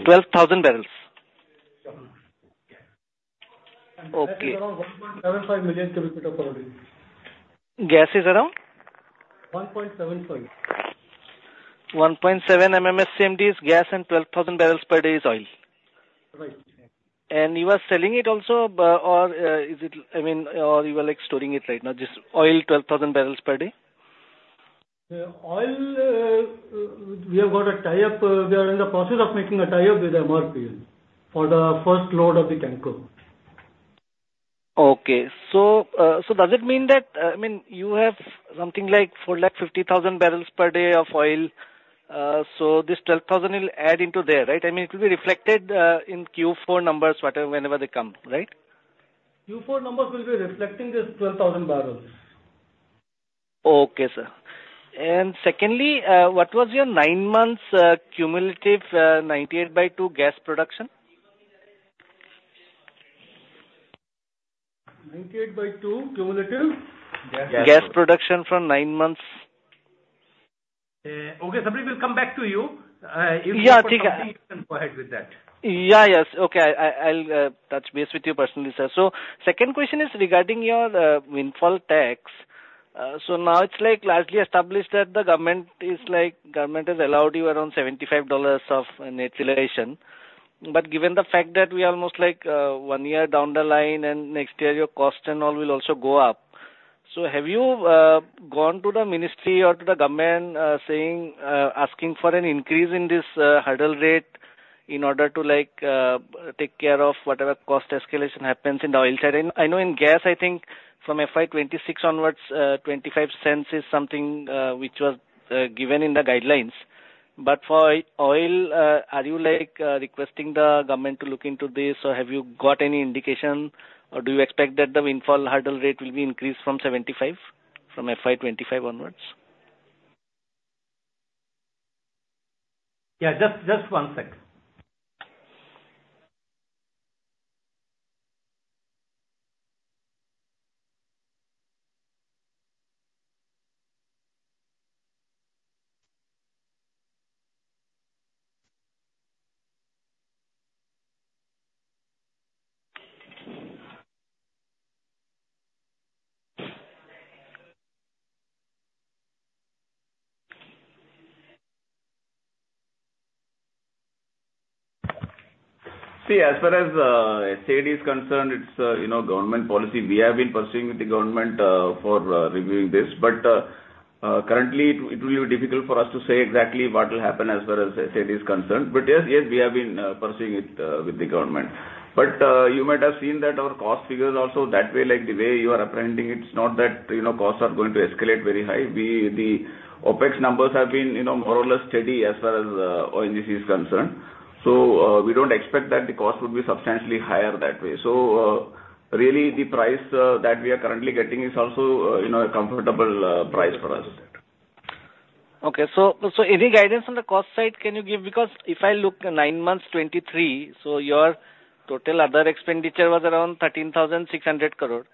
[SPEAKER 11] 12,000 bbl?
[SPEAKER 8] Yeah.
[SPEAKER 11] Okay.
[SPEAKER 8] Gas is around 1.75 million cu feet per day.
[SPEAKER 11] Gas is around?
[SPEAKER 8] 1.75.
[SPEAKER 11] 1.7 MMSCFD is gas, and 12,000 bbl per day is oil?
[SPEAKER 8] Right.
[SPEAKER 11] You are selling it also, or is it, I mean, or you are, like, storing it right now, this oil, 12,000 bbl per day?
[SPEAKER 8] The oil, we have got a tie-up. We are in the process of making a tie-up with MRPL for the first load of the tanker.
[SPEAKER 11] Okay. So, so does it mean that, I mean, you have something like 450,000 bbl per day of oil, so this 12,000 will add into there, right? I mean, it will be reflected, in Q4 numbers, whatever, whenever they come, right?
[SPEAKER 8] Q4 numbers will be reflecting this 12,000 bbl.
[SPEAKER 11] Okay, sir. And secondly, what was your nine months cumulative ninety-eight bar two gas production?
[SPEAKER 8] 98/2 cumulative?
[SPEAKER 11] Gas production for nine months.
[SPEAKER 8] Okay, Sabri, we will come back to you. If you-
[SPEAKER 11] Yeah,
[SPEAKER 8] Go ahead with that.
[SPEAKER 11] Yeah, yes. Okay, I, I'll touch base with you personally, sir. So second question is regarding your windfall tax. So now it's, like, largely established that the government is like... government has allowed you around $75 of an acceleration. But given the fact that we are almost like one year down the line, and next year your cost and all will also go up, so have you gone to the ministry or to the government, saying, asking for an increase in this hurdle rate in order to, like, take care of whatever cost escalation happens in the oil side? I know in gas, I think from FY 2026 onwards, $0.25 is something which was given in the guidelines. But for oil, are you, like, requesting the government to look into this, or have you got any indication, or do you expect that the windfall hurdle rate will be increased from 75, from FY 2025 onwards?
[SPEAKER 8] Yeah, just, just one second. See, as far as SAED is concerned, it's, you know, government policy. We have been pursuing with the government for reviewing this. But currently, it will be difficult for us to say exactly what will happen as far as SAED is concerned. But yes, yes, we have been pursuing it with the government. But you might have seen that our cost figures also that way, like, the way you are apprehending it, it's not that, you know, costs are going to escalate very high. We, the OpEx numbers have been, you know, more or less steady as far as ONGC is concerned. So we don't expect that the cost would be substantially higher that way. Really, the price that we are currently getting is also, you know, a comfortable price for us.
[SPEAKER 11] Okay. So any guidance on the cost side can you give? Because if I look at 9 months, 2023, so your total other expenditure was around 13,600 crore.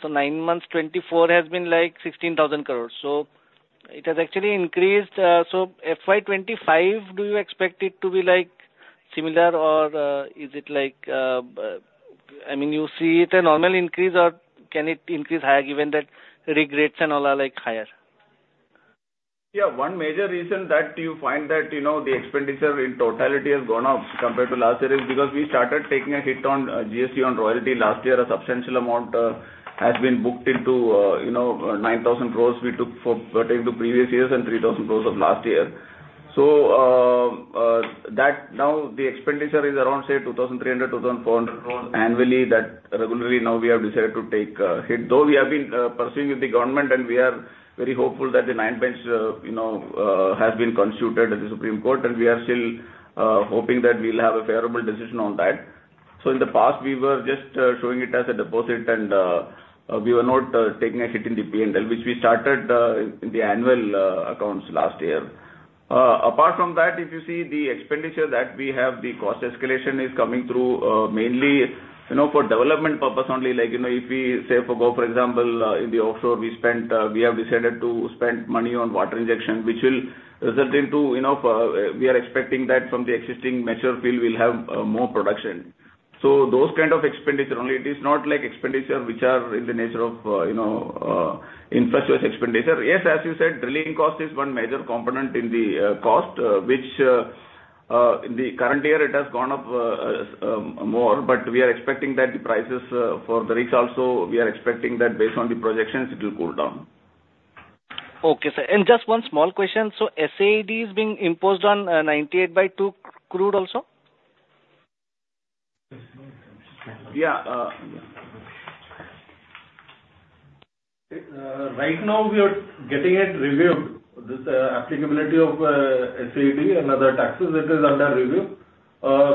[SPEAKER 11] So 9 months, 2024, has been like 16,000 crore. So it has actually increased. So FY 2025, do you expect it to be, like, similar? Or, is it like, I mean, you see it a normal increase, or can it increase higher, given that rig rates and all are, like, higher?
[SPEAKER 8] Yeah, one major reason that you find that, you know, the expenditure in totality has gone up compared to last year is because we started taking a hit on GST on royalty. Last year, a substantial amount has been booked into, you know, 9,000 crore we took for pertaining to previous years and 3,000 crore of last year. So, that now the expenditure is around, say, 2,300-2,400 crore annually that regularly now we have decided to take a hit. Though we have been pursuing with the government, and we are very hopeful that the nine bench, you know, has been constituted at the Supreme Court, and we are still hoping that we'll have a favorable decision on that. So in the past, we were just showing it as a deposit, and we were not taking a hit in the P&L, which we started in the annual accounts last year. Apart from that, if you see the expenditure that we have, the cost escalation is coming through mainly, you know, for development purpose only. Like, you know, if we say, for example, in the offshore we spent, we have decided to spend money on water injection, which will result into, you know, for we are expecting that from the existing mature field, we'll have more production. So those kind of expenditure only, it is not like expenditure which are in the nature of, you know, infrastructure expenditure. Yes, as you said, drilling cost is one major component in the cost, which in the current year it has gone up more, but we are expecting that the prices for the rigs also, we are expecting that based on the projections, it will cool down.
[SPEAKER 11] Okay, sir. And just one small question: so SAED is being imposed on 98 by 2 crude also?
[SPEAKER 8] Yeah. Right now, we are getting it reviewed. This applicability of SAED and other taxes, it is under review.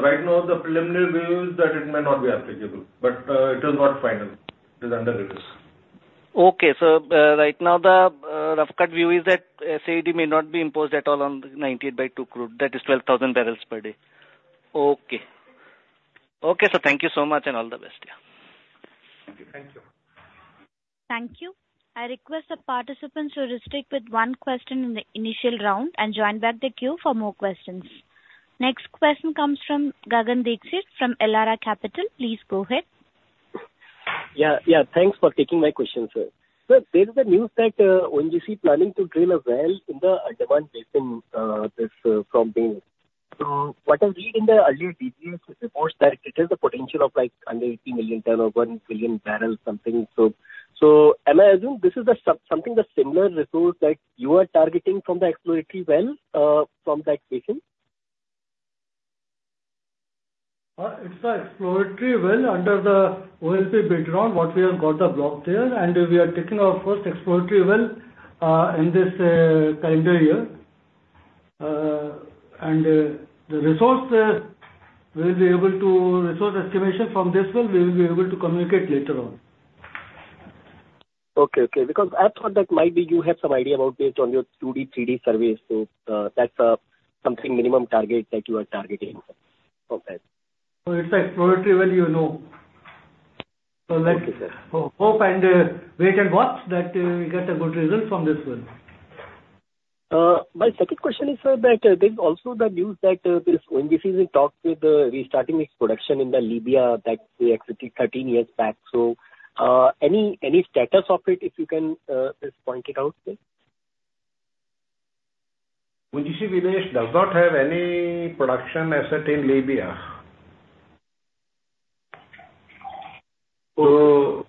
[SPEAKER 8] Right now, the preliminary view is that it may not be applicable, but it is not final. It is under review.
[SPEAKER 11] Okay. So, right now, the rough cut view is that SAED may not be imposed at all on 98 by 2 crude. That is 12,000 bbl per day. Okay. Okay, sir, thank you so much, and all the best. Yeah.
[SPEAKER 8] Thank you.
[SPEAKER 1] Thank you. I request the participants to stick with one question in the initial round and join back the queue for more questions. Next question comes from Gagan Dixit from Elara Capital. Please go ahead.
[SPEAKER 12] Yeah, yeah, thanks for taking my question, sir. Sir, there is a news that ONGC planning to drill a well in the Andaman Basin, this from bidding. So what I read in the earlier details, reports that it is a potential of, like, under 80 million ton or 1 billion bbl, something. So, am I assume this is something similar resource that you are targeting from the exploratory well, from that basin?
[SPEAKER 8] It's the exploratory well under the OALP bid round, what we have got the block there, and we are taking our first exploratory well in this calendar year. Resource estimation from this well, we will be able to communicate later on.
[SPEAKER 12] Okay, okay, because I thought that might be you have some idea about based on your 2D, 3D surveys, so, that's something minimum target that you are targeting. Okay.
[SPEAKER 8] So it's exploratory well, you know, so let's-
[SPEAKER 12] Okay, sir.
[SPEAKER 8] Hope and wait and watch that we get a good result from this one.
[SPEAKER 12] My second question is, sir, that there's also the news that this ONGC is in talks with restarting its production in Libya that they exited 13 years back. So, any status of it, if you can just point it out, please?
[SPEAKER 8] ONGC Videsh does not have any production asset in Libya. So,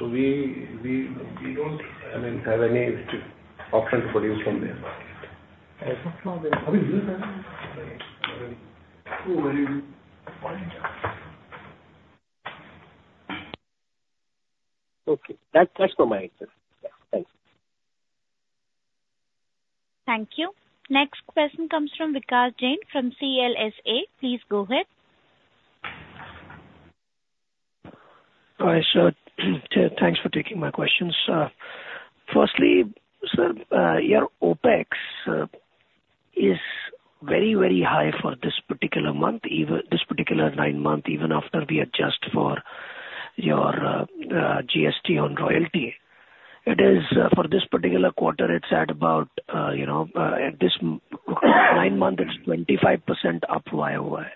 [SPEAKER 8] we don't, I mean, have any option to produce from there.
[SPEAKER 11] I don't know.
[SPEAKER 12] Okay. That, that's from my end, sir. Yeah, thank you.
[SPEAKER 1] Thank you. Next question comes from Vikas Jain, from CLSA. Please go ahead.
[SPEAKER 13] Hi, sir. Thanks for taking my questions, sir. Firstly, sir, your OpEx is very, very high for this particular month, even this particular nine month, even after we adjust for your GST on royalty. It is for this particular quarter, it's at about, you know, at this nine month, it's 25% up year-over-year,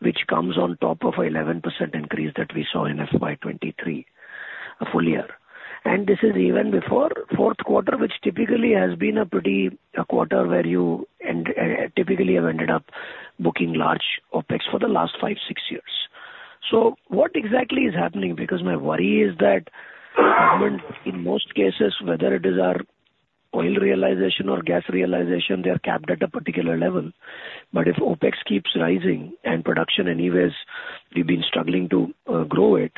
[SPEAKER 13] which comes on top of 11% increase that we saw in FY 2023, full year. And this is even before Q4, which typically has been a pretty, a quarter where you and typically have ended up booking large OpEx for the last 5-6 years. So what exactly is happening? Because my worry is that in most cases, whether it is our oil realization or gas realization, they are capped at a particular level. But if OpEx keeps rising and production anyways, we've been struggling to grow it,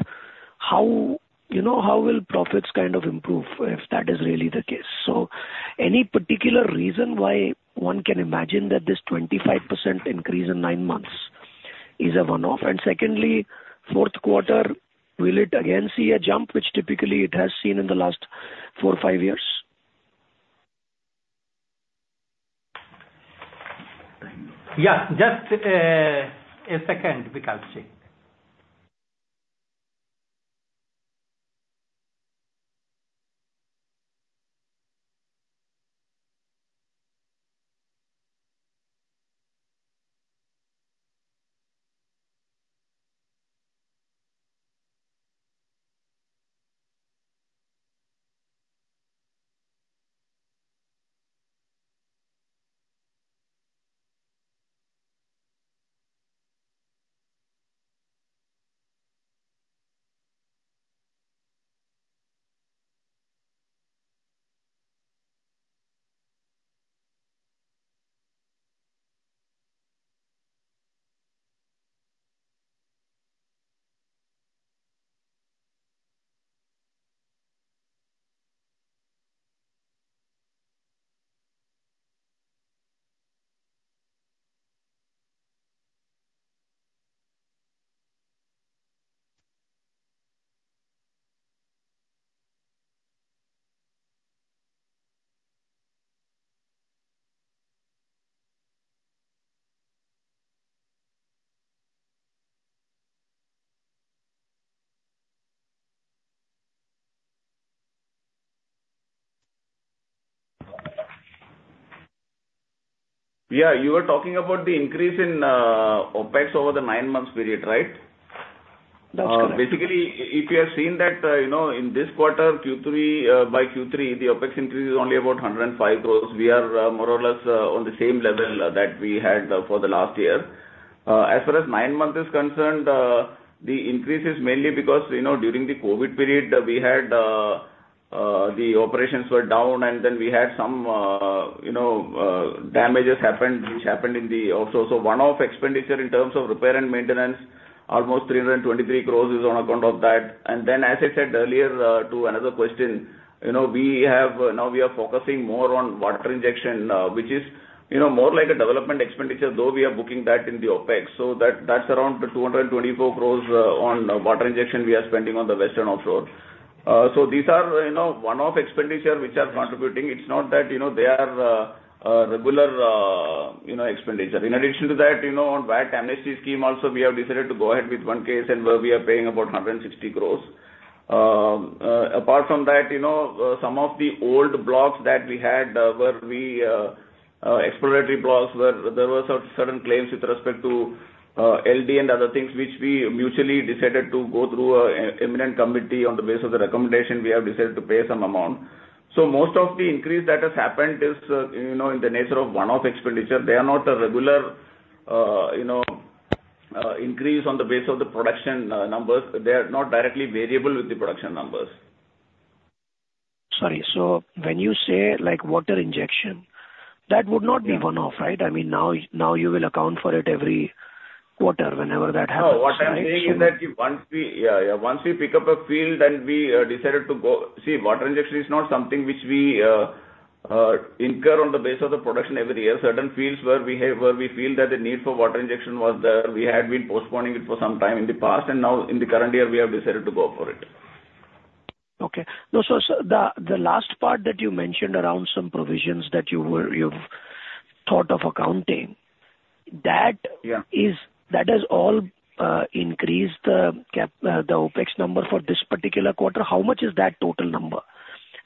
[SPEAKER 13] how, you know, how will profits kind of improve if that is really the case? So any particular reason why one can imagine that this 25% increase in 9 months is a one-off? And secondly, Q4, will it again see a jump, which typically it has seen in the last 4, 5 years?
[SPEAKER 8] Yeah, just a second, Vikas ji....
[SPEAKER 6] Yeah, you were talking about the increase in OpEx over the nine-month period, right?
[SPEAKER 13] That's correct.
[SPEAKER 6] Basically, if you have seen that, you know, in this quarter, Q3, by Q3, the OpEx increase is only about 105 crores. We are more or less on the same level that we had for the last year. As far as nine months is concerned, the increase is mainly because, you know, during the COVID period, we had the operations were down, and then we had some, you know, damages happened, which happened in the offshore. So one-off expenditure in terms of repair and maintenance, almost 323 crores is on account of that. And then, as I said earlier, to another question, you know, we have now we are focusing more on water injection, which is, you know, more like a development expenditure, though we are booking that in the OpEx. So that's around 224 crore, on water injection we are spending on the Western Offshore. So these are, you know, one-off expenditure which are contributing. It's not that, you know, they are a regular, you know, expenditure. In addition to that, you know, on VAT amnesty scheme also, we have decided to go ahead with one case, and where we are paying about 160 crore. Apart from that, you know, some of the old blocks that we had, where we, exploratory blocks, where there were certain claims with respect to LD and other things, which we mutually decided to go through eminent committee. On the basis of the recommendation, we have decided to pay some amount. So most of the increase that has happened is, you know, in the nature of one-off expenditure. They are not a regular, you know, increase on the basis of the production numbers. They are not directly variable with the production numbers.
[SPEAKER 13] Sorry. So when you say, like, water injection, that would not be one-off, right? I mean, now, now you will account for it every quarter, whenever that happens, right?
[SPEAKER 6] No, what I'm saying is that once we... Yeah, yeah, once we pick up a field and we decided to go. See, water injection is not something which we incur on the basis of the production every year. Certain fields where we have, where we feel that the need for water injection was there, we had been postponing it for some time in the past, and now in the current year, we have decided to go for it.
[SPEAKER 13] Okay. No, so the last part that you mentioned around some provisions that you've thought of accounting, that-
[SPEAKER 6] Yeah.
[SPEAKER 13] that has all increased the CapEx, the OpEx number for this particular quarter. How much is that total number?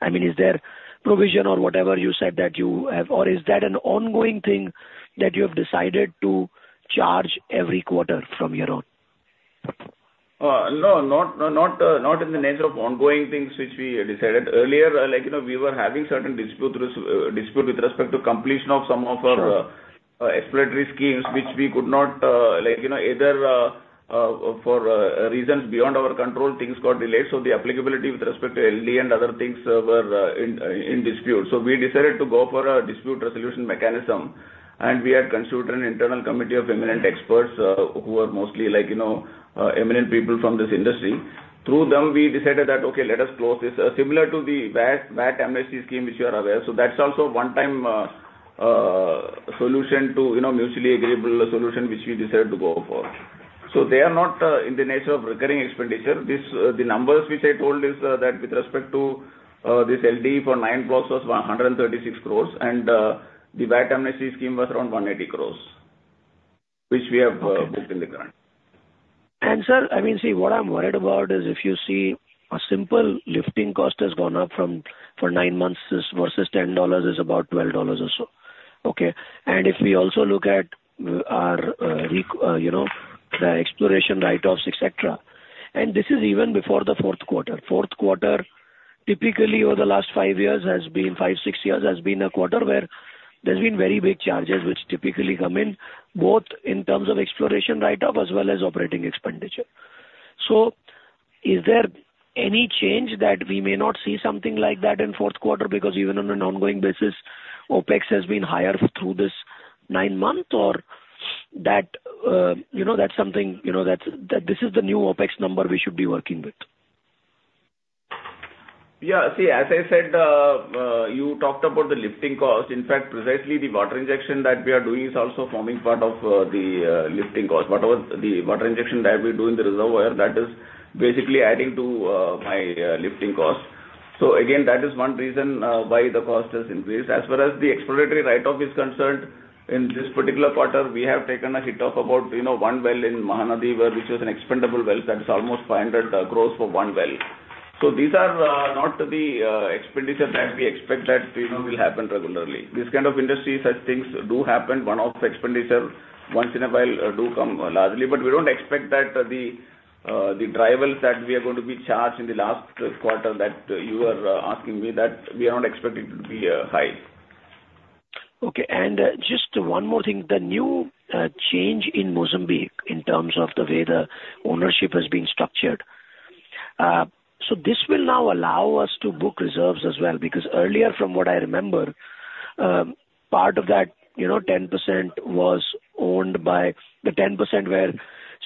[SPEAKER 13] I mean, is there provision or whatever you said that you have... Or is that an ongoing thing that you have decided to charge every quarter from here on?
[SPEAKER 6] No, not in the nature of ongoing things which we decided. Earlier, like, you know, we were having certain dispute with respect to completion of some of our exploratory schemes, which we could not, like, you know, for reasons beyond our control, things got delayed, so the applicability with respect to LD and other things were in dispute. So we decided to go for a dispute resolution mechanism, and we had constituted an internal committee of eminent experts, who are mostly like, you know, eminent people from this industry. Through them, we decided that, okay, let us close this. Similar to the VAT amnesty scheme, which you are aware, so that's also a one-time solution to, you know, mutually agreeable solution, which we decided to go for. So they are not in the nature of recurring expenditure. This, the numbers which I told is that with respect to this LD for 9+ was 136 crore, and the VAT amnesty scheme was around 180 crore, which we have booked in the current.
[SPEAKER 13] Sir, I mean, see, what I'm worried about is if you see a simple lifting cost has gone up from, for nine months is, versus $10 is about $12 or so. Okay? And if we also look at our you know the exploration write-offs, et cetera, and this is even before the Q4. Q4, typically over the last 5-6 years, has been a quarter where there's been very big charges which typically come in, both in terms of exploration write-off as well as operating expenditure. So is there any change that we may not see something like that in Q4? Because even on an ongoing basis, OpEx has been higher through this nine months or that, you know, that's something, you know, that's, that this is the new OpEx number we should be working with.
[SPEAKER 6] Yeah. See, as I said, you talked about the lifting cost. In fact, precisely the water injection that we are doing is also forming part of the lifting cost. Whatever the water injection that we do in the reservoir, that is basically adding to my lifting cost. So again, that is one reason why the cost has increased. As far as the exploratory write-off is concerned, in this particular quarter, we have taken a hit of about, you know, one well in Mahanadi, where which was an expendable well, that is almost 500 crore for one well. So these are not the expenditure that we expect that, you know, will happen regularly. This kind of industry, such things do happen. One-off expenditure once in a while do come largely, but we don't expect that the dry wells that we are going to be charged in the last quarter, that you are asking me, that we are not expecting to be high.
[SPEAKER 13] Okay. And, just one more thing, the new change in Mozambique in terms of the way the ownership has been structured. So this will now allow us to book reserves as well, because earlier, from what I remember, part of that, you know, 10% was owned by... The 10% where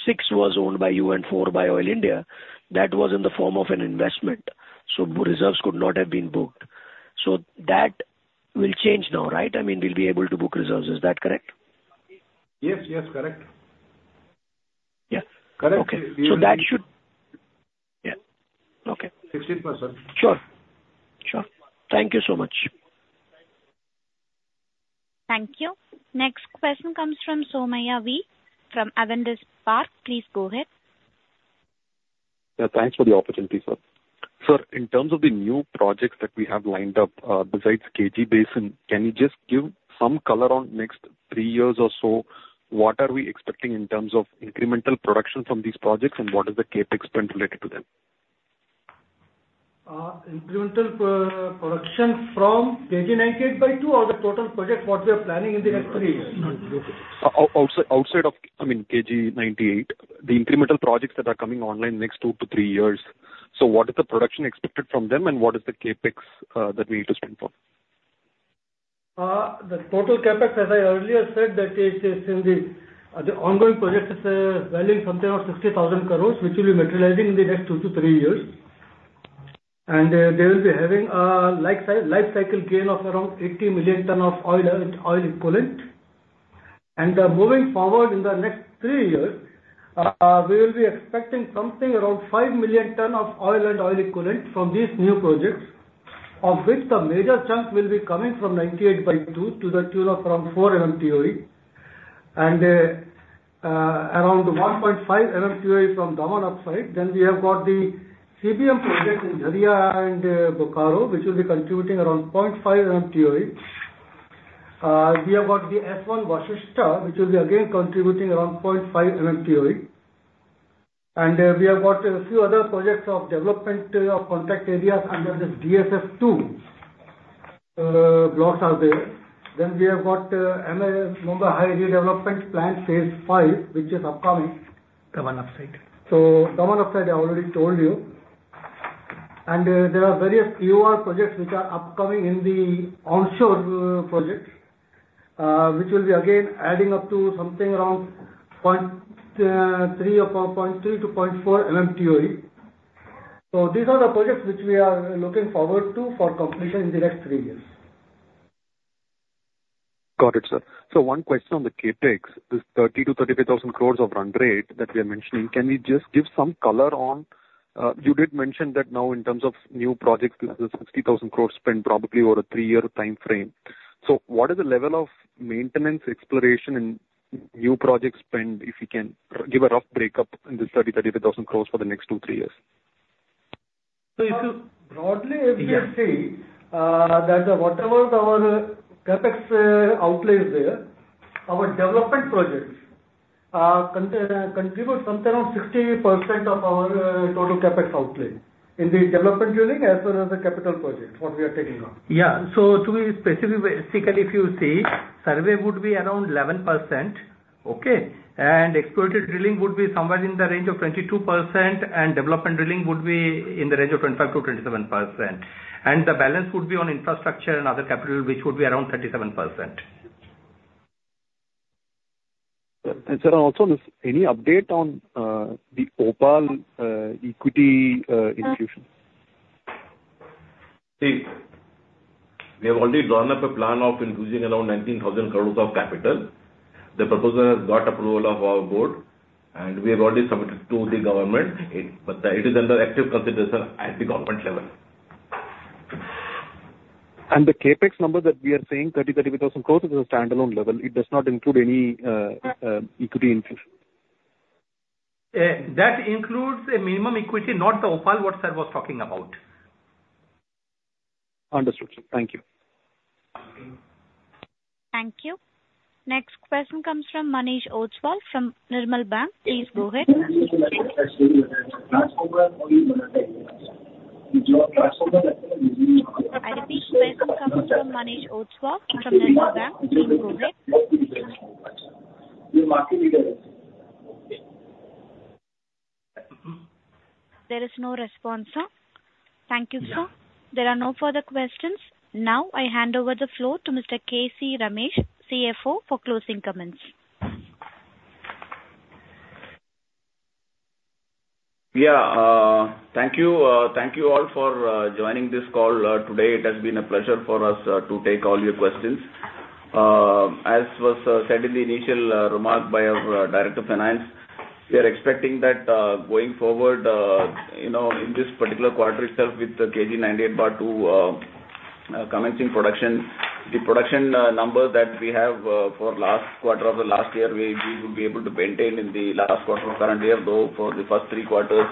[SPEAKER 13] 6 was owned by you and 4 by Oil India, that was in the form of an investment, so reserves could not have been booked. So that will change now, right? I mean, we'll be able to book reserves. Is that correct?
[SPEAKER 6] Yes, yes, correct....
[SPEAKER 13] Yeah. Okay. So that should, yeah. Okay.
[SPEAKER 4] Sixteen percent.
[SPEAKER 13] Sure. Sure. Thank you so much.
[SPEAKER 1] Thank you. Next question comes from Somaiya V. from Avendus Spark. Please go ahead.
[SPEAKER 14] Yeah, thanks for the opportunity, sir. Sir, in terms of the new projects that we have lined up, besides KG Basin, can you just give some color on next three years or so, what are we expecting in terms of incremental production from these projects, and what is the CapEx spend related to them?
[SPEAKER 4] Incremental production from KG 98/2 or the total project, what we are planning in the next three years?
[SPEAKER 14] No, outside, outside of, I mean, KG 98, the incremental projects that are coming online next 2-3 years. So what is the production expected from them, and what is the CapEx that we need to spend for?
[SPEAKER 4] The total CapEx, as I earlier said, that is, is in the, the ongoing projects, value something of 60,000 crore, which will be materializing in the next 2-3 years. They will be having a lifecycle gain of around 80 million tonnes of oil equivalent. Moving forward in the next 3 years, we will be expecting something around 5 million tonnes of oil equivalent from these new projects, of which the major chunk will be coming from ninety-eight bar two, to the tune of around 4 MMTOE. Around 1.5 MMTOE from Daman upside. Then we have got the CBM project in Jharia and Bokaro, which will be contributing around 0.5 MMTOE. We have got the S1-Vashishta, which will be again contributing around 0.5 MMTOE. We have got a few other projects of development of contact areas under this DSF-II blocks are there. We have got Mumbai High Redevelopment Plan phase V, which is upcoming.
[SPEAKER 15] Daman upside.
[SPEAKER 4] Daman Upside, I already told you. There are various IOR projects which are upcoming in the onshore projects, which will be again adding up to something around 0.3 or 0.3-0.4 MMTOE. So these are the projects which we are looking forward to for completion in the next three years.
[SPEAKER 14] Got it, sir. So one question on the CapEx, this 30,000 crore-35,000 crore run rate that we are mentioning, can you just give some color on... You did mention that now in terms of new projects, this is a 60,000 crore spend probably over a 3-year timeframe. So what is the level of maintenance, exploration and new project spend, if you can give a rough breakup in this 30,000-35,000 crore for the next 2, 3 years?
[SPEAKER 4] So if you broadly, if you see, that whatever our CapEx outlays there, our development projects contribute something around 60% of our total CapEx outlay, in the development drilling as well as the capital projects, what we are taking on.
[SPEAKER 15] Yeah, so to be specific, basically, if you see, survey would be around 11%, okay? And explorative drilling would be somewhere in the range of 22%, and development drilling would be in the range of 25%-27%. And the balance would be on infrastructure and other capital, which would be around 37%.
[SPEAKER 14] Sir, also, any update on the OPaL equity infusion?
[SPEAKER 4] See, we have already drawn up a plan of infusing around 19,000 crore of capital. The proposal has got approval of our board, and we have already submitted to the government. But it is under active consideration at the government level.
[SPEAKER 14] And the CapEx number that we are saying, 30,000-35,000 crore, is a standalone level. It does not include any equity infusion?
[SPEAKER 15] That includes a minimum equity, not the OPaL, what sir was talking about.
[SPEAKER 14] Understood, sir. Thank you.
[SPEAKER 1] Thank you. Next question comes from Manish Oswal from Nirmal Bang. Please go ahead. I repeat, the question comes from Manish Oswal from Nirmal Bang. Please go ahead. There is no response, sir. Thank you, sir.
[SPEAKER 4] Yeah.
[SPEAKER 1] There are no further questions. Now, I hand over the floor to Mr. K.C. Ramesh, CFO, for closing comments.
[SPEAKER 6] Yeah, thank you. Thank you all for joining this call today. It has been a pleasure for us to take all your questions. As was said in the initial remark by our Director of Finance, we are expecting that, going forward, you know, in this particular quarter itself, with the KG 98/2 commencing production, the production number that we have for last quarter of the last year, we would be able to maintain in the last quarter of current year, though for the first three quarters,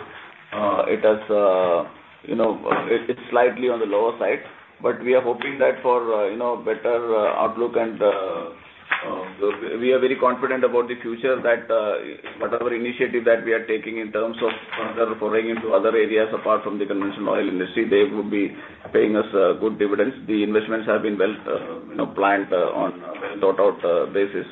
[SPEAKER 6] it has, you know, it's slightly on the lower side. But we are hoping that for, you know, better outlook and, we are very confident about the future that, whatever initiative that we are taking in terms of further foraying into other areas apart from the conventional oil industry, they would be paying us, good dividends. The investments have been well, you know, planned, on a well-thought-out, basis.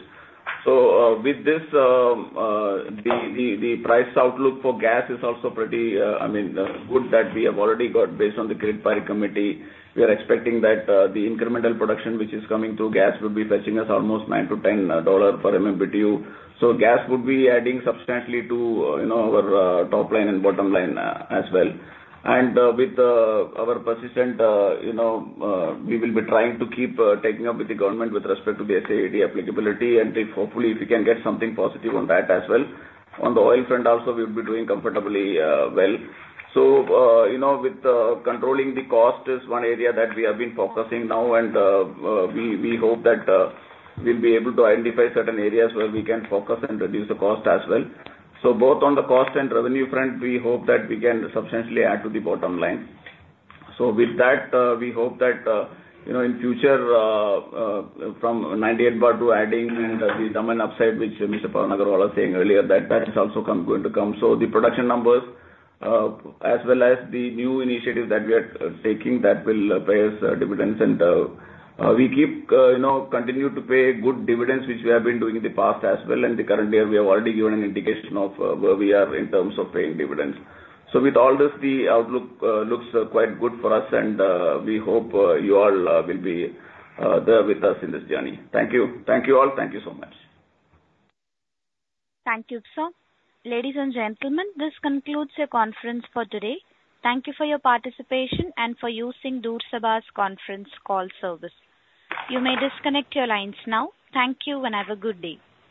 [SPEAKER 6] So, with this, the price outlook for gas is also pretty, I mean, good, that we have already got based on the Rangarajan Committee. We are expecting that, the incremental production, which is coming through gas, will be fetching us almost $9-$10 per MMBTU. So gas would be adding substantially to, you know, our, top line and bottom line, as well. With our persistent, you know, we will be trying to keep taking up with the government with respect to the SAED applicability, and hopefully, if you can get something positive on that as well. On the oil front also, we would be doing comfortably, well. So, you know, with controlling the cost is one area that we have been focusing now, and we hope that we'll be able to identify certain areas where we can focus and reduce the cost as well. So both on the cost and revenue front, we hope that we can substantially add to the bottom line. So with that, we hope that, you know, in future, from 98 bar 2 adding the Daman upside, which Mr. Pavan Aggarwal was saying earlier, that that is also going to come. So the production numbers, as well as the new initiatives that we are taking, that will pay us dividends. And we keep, you know, continue to pay good dividends, which we have been doing in the past as well, and the current year, we have already given an indication of where we are in terms of paying dividends. So with all this, the outlook looks quite good for us, and we hope you all will be there with us in this journey. Thank you. Thank you, all. Thank you so much.
[SPEAKER 1] Thank you, sir. Ladies and gentlemen, this concludes your conference for today. Thank you for your participation and for using DuraSabha Conference Call Service. You may disconnect your lines now. Thank you, and have a good day.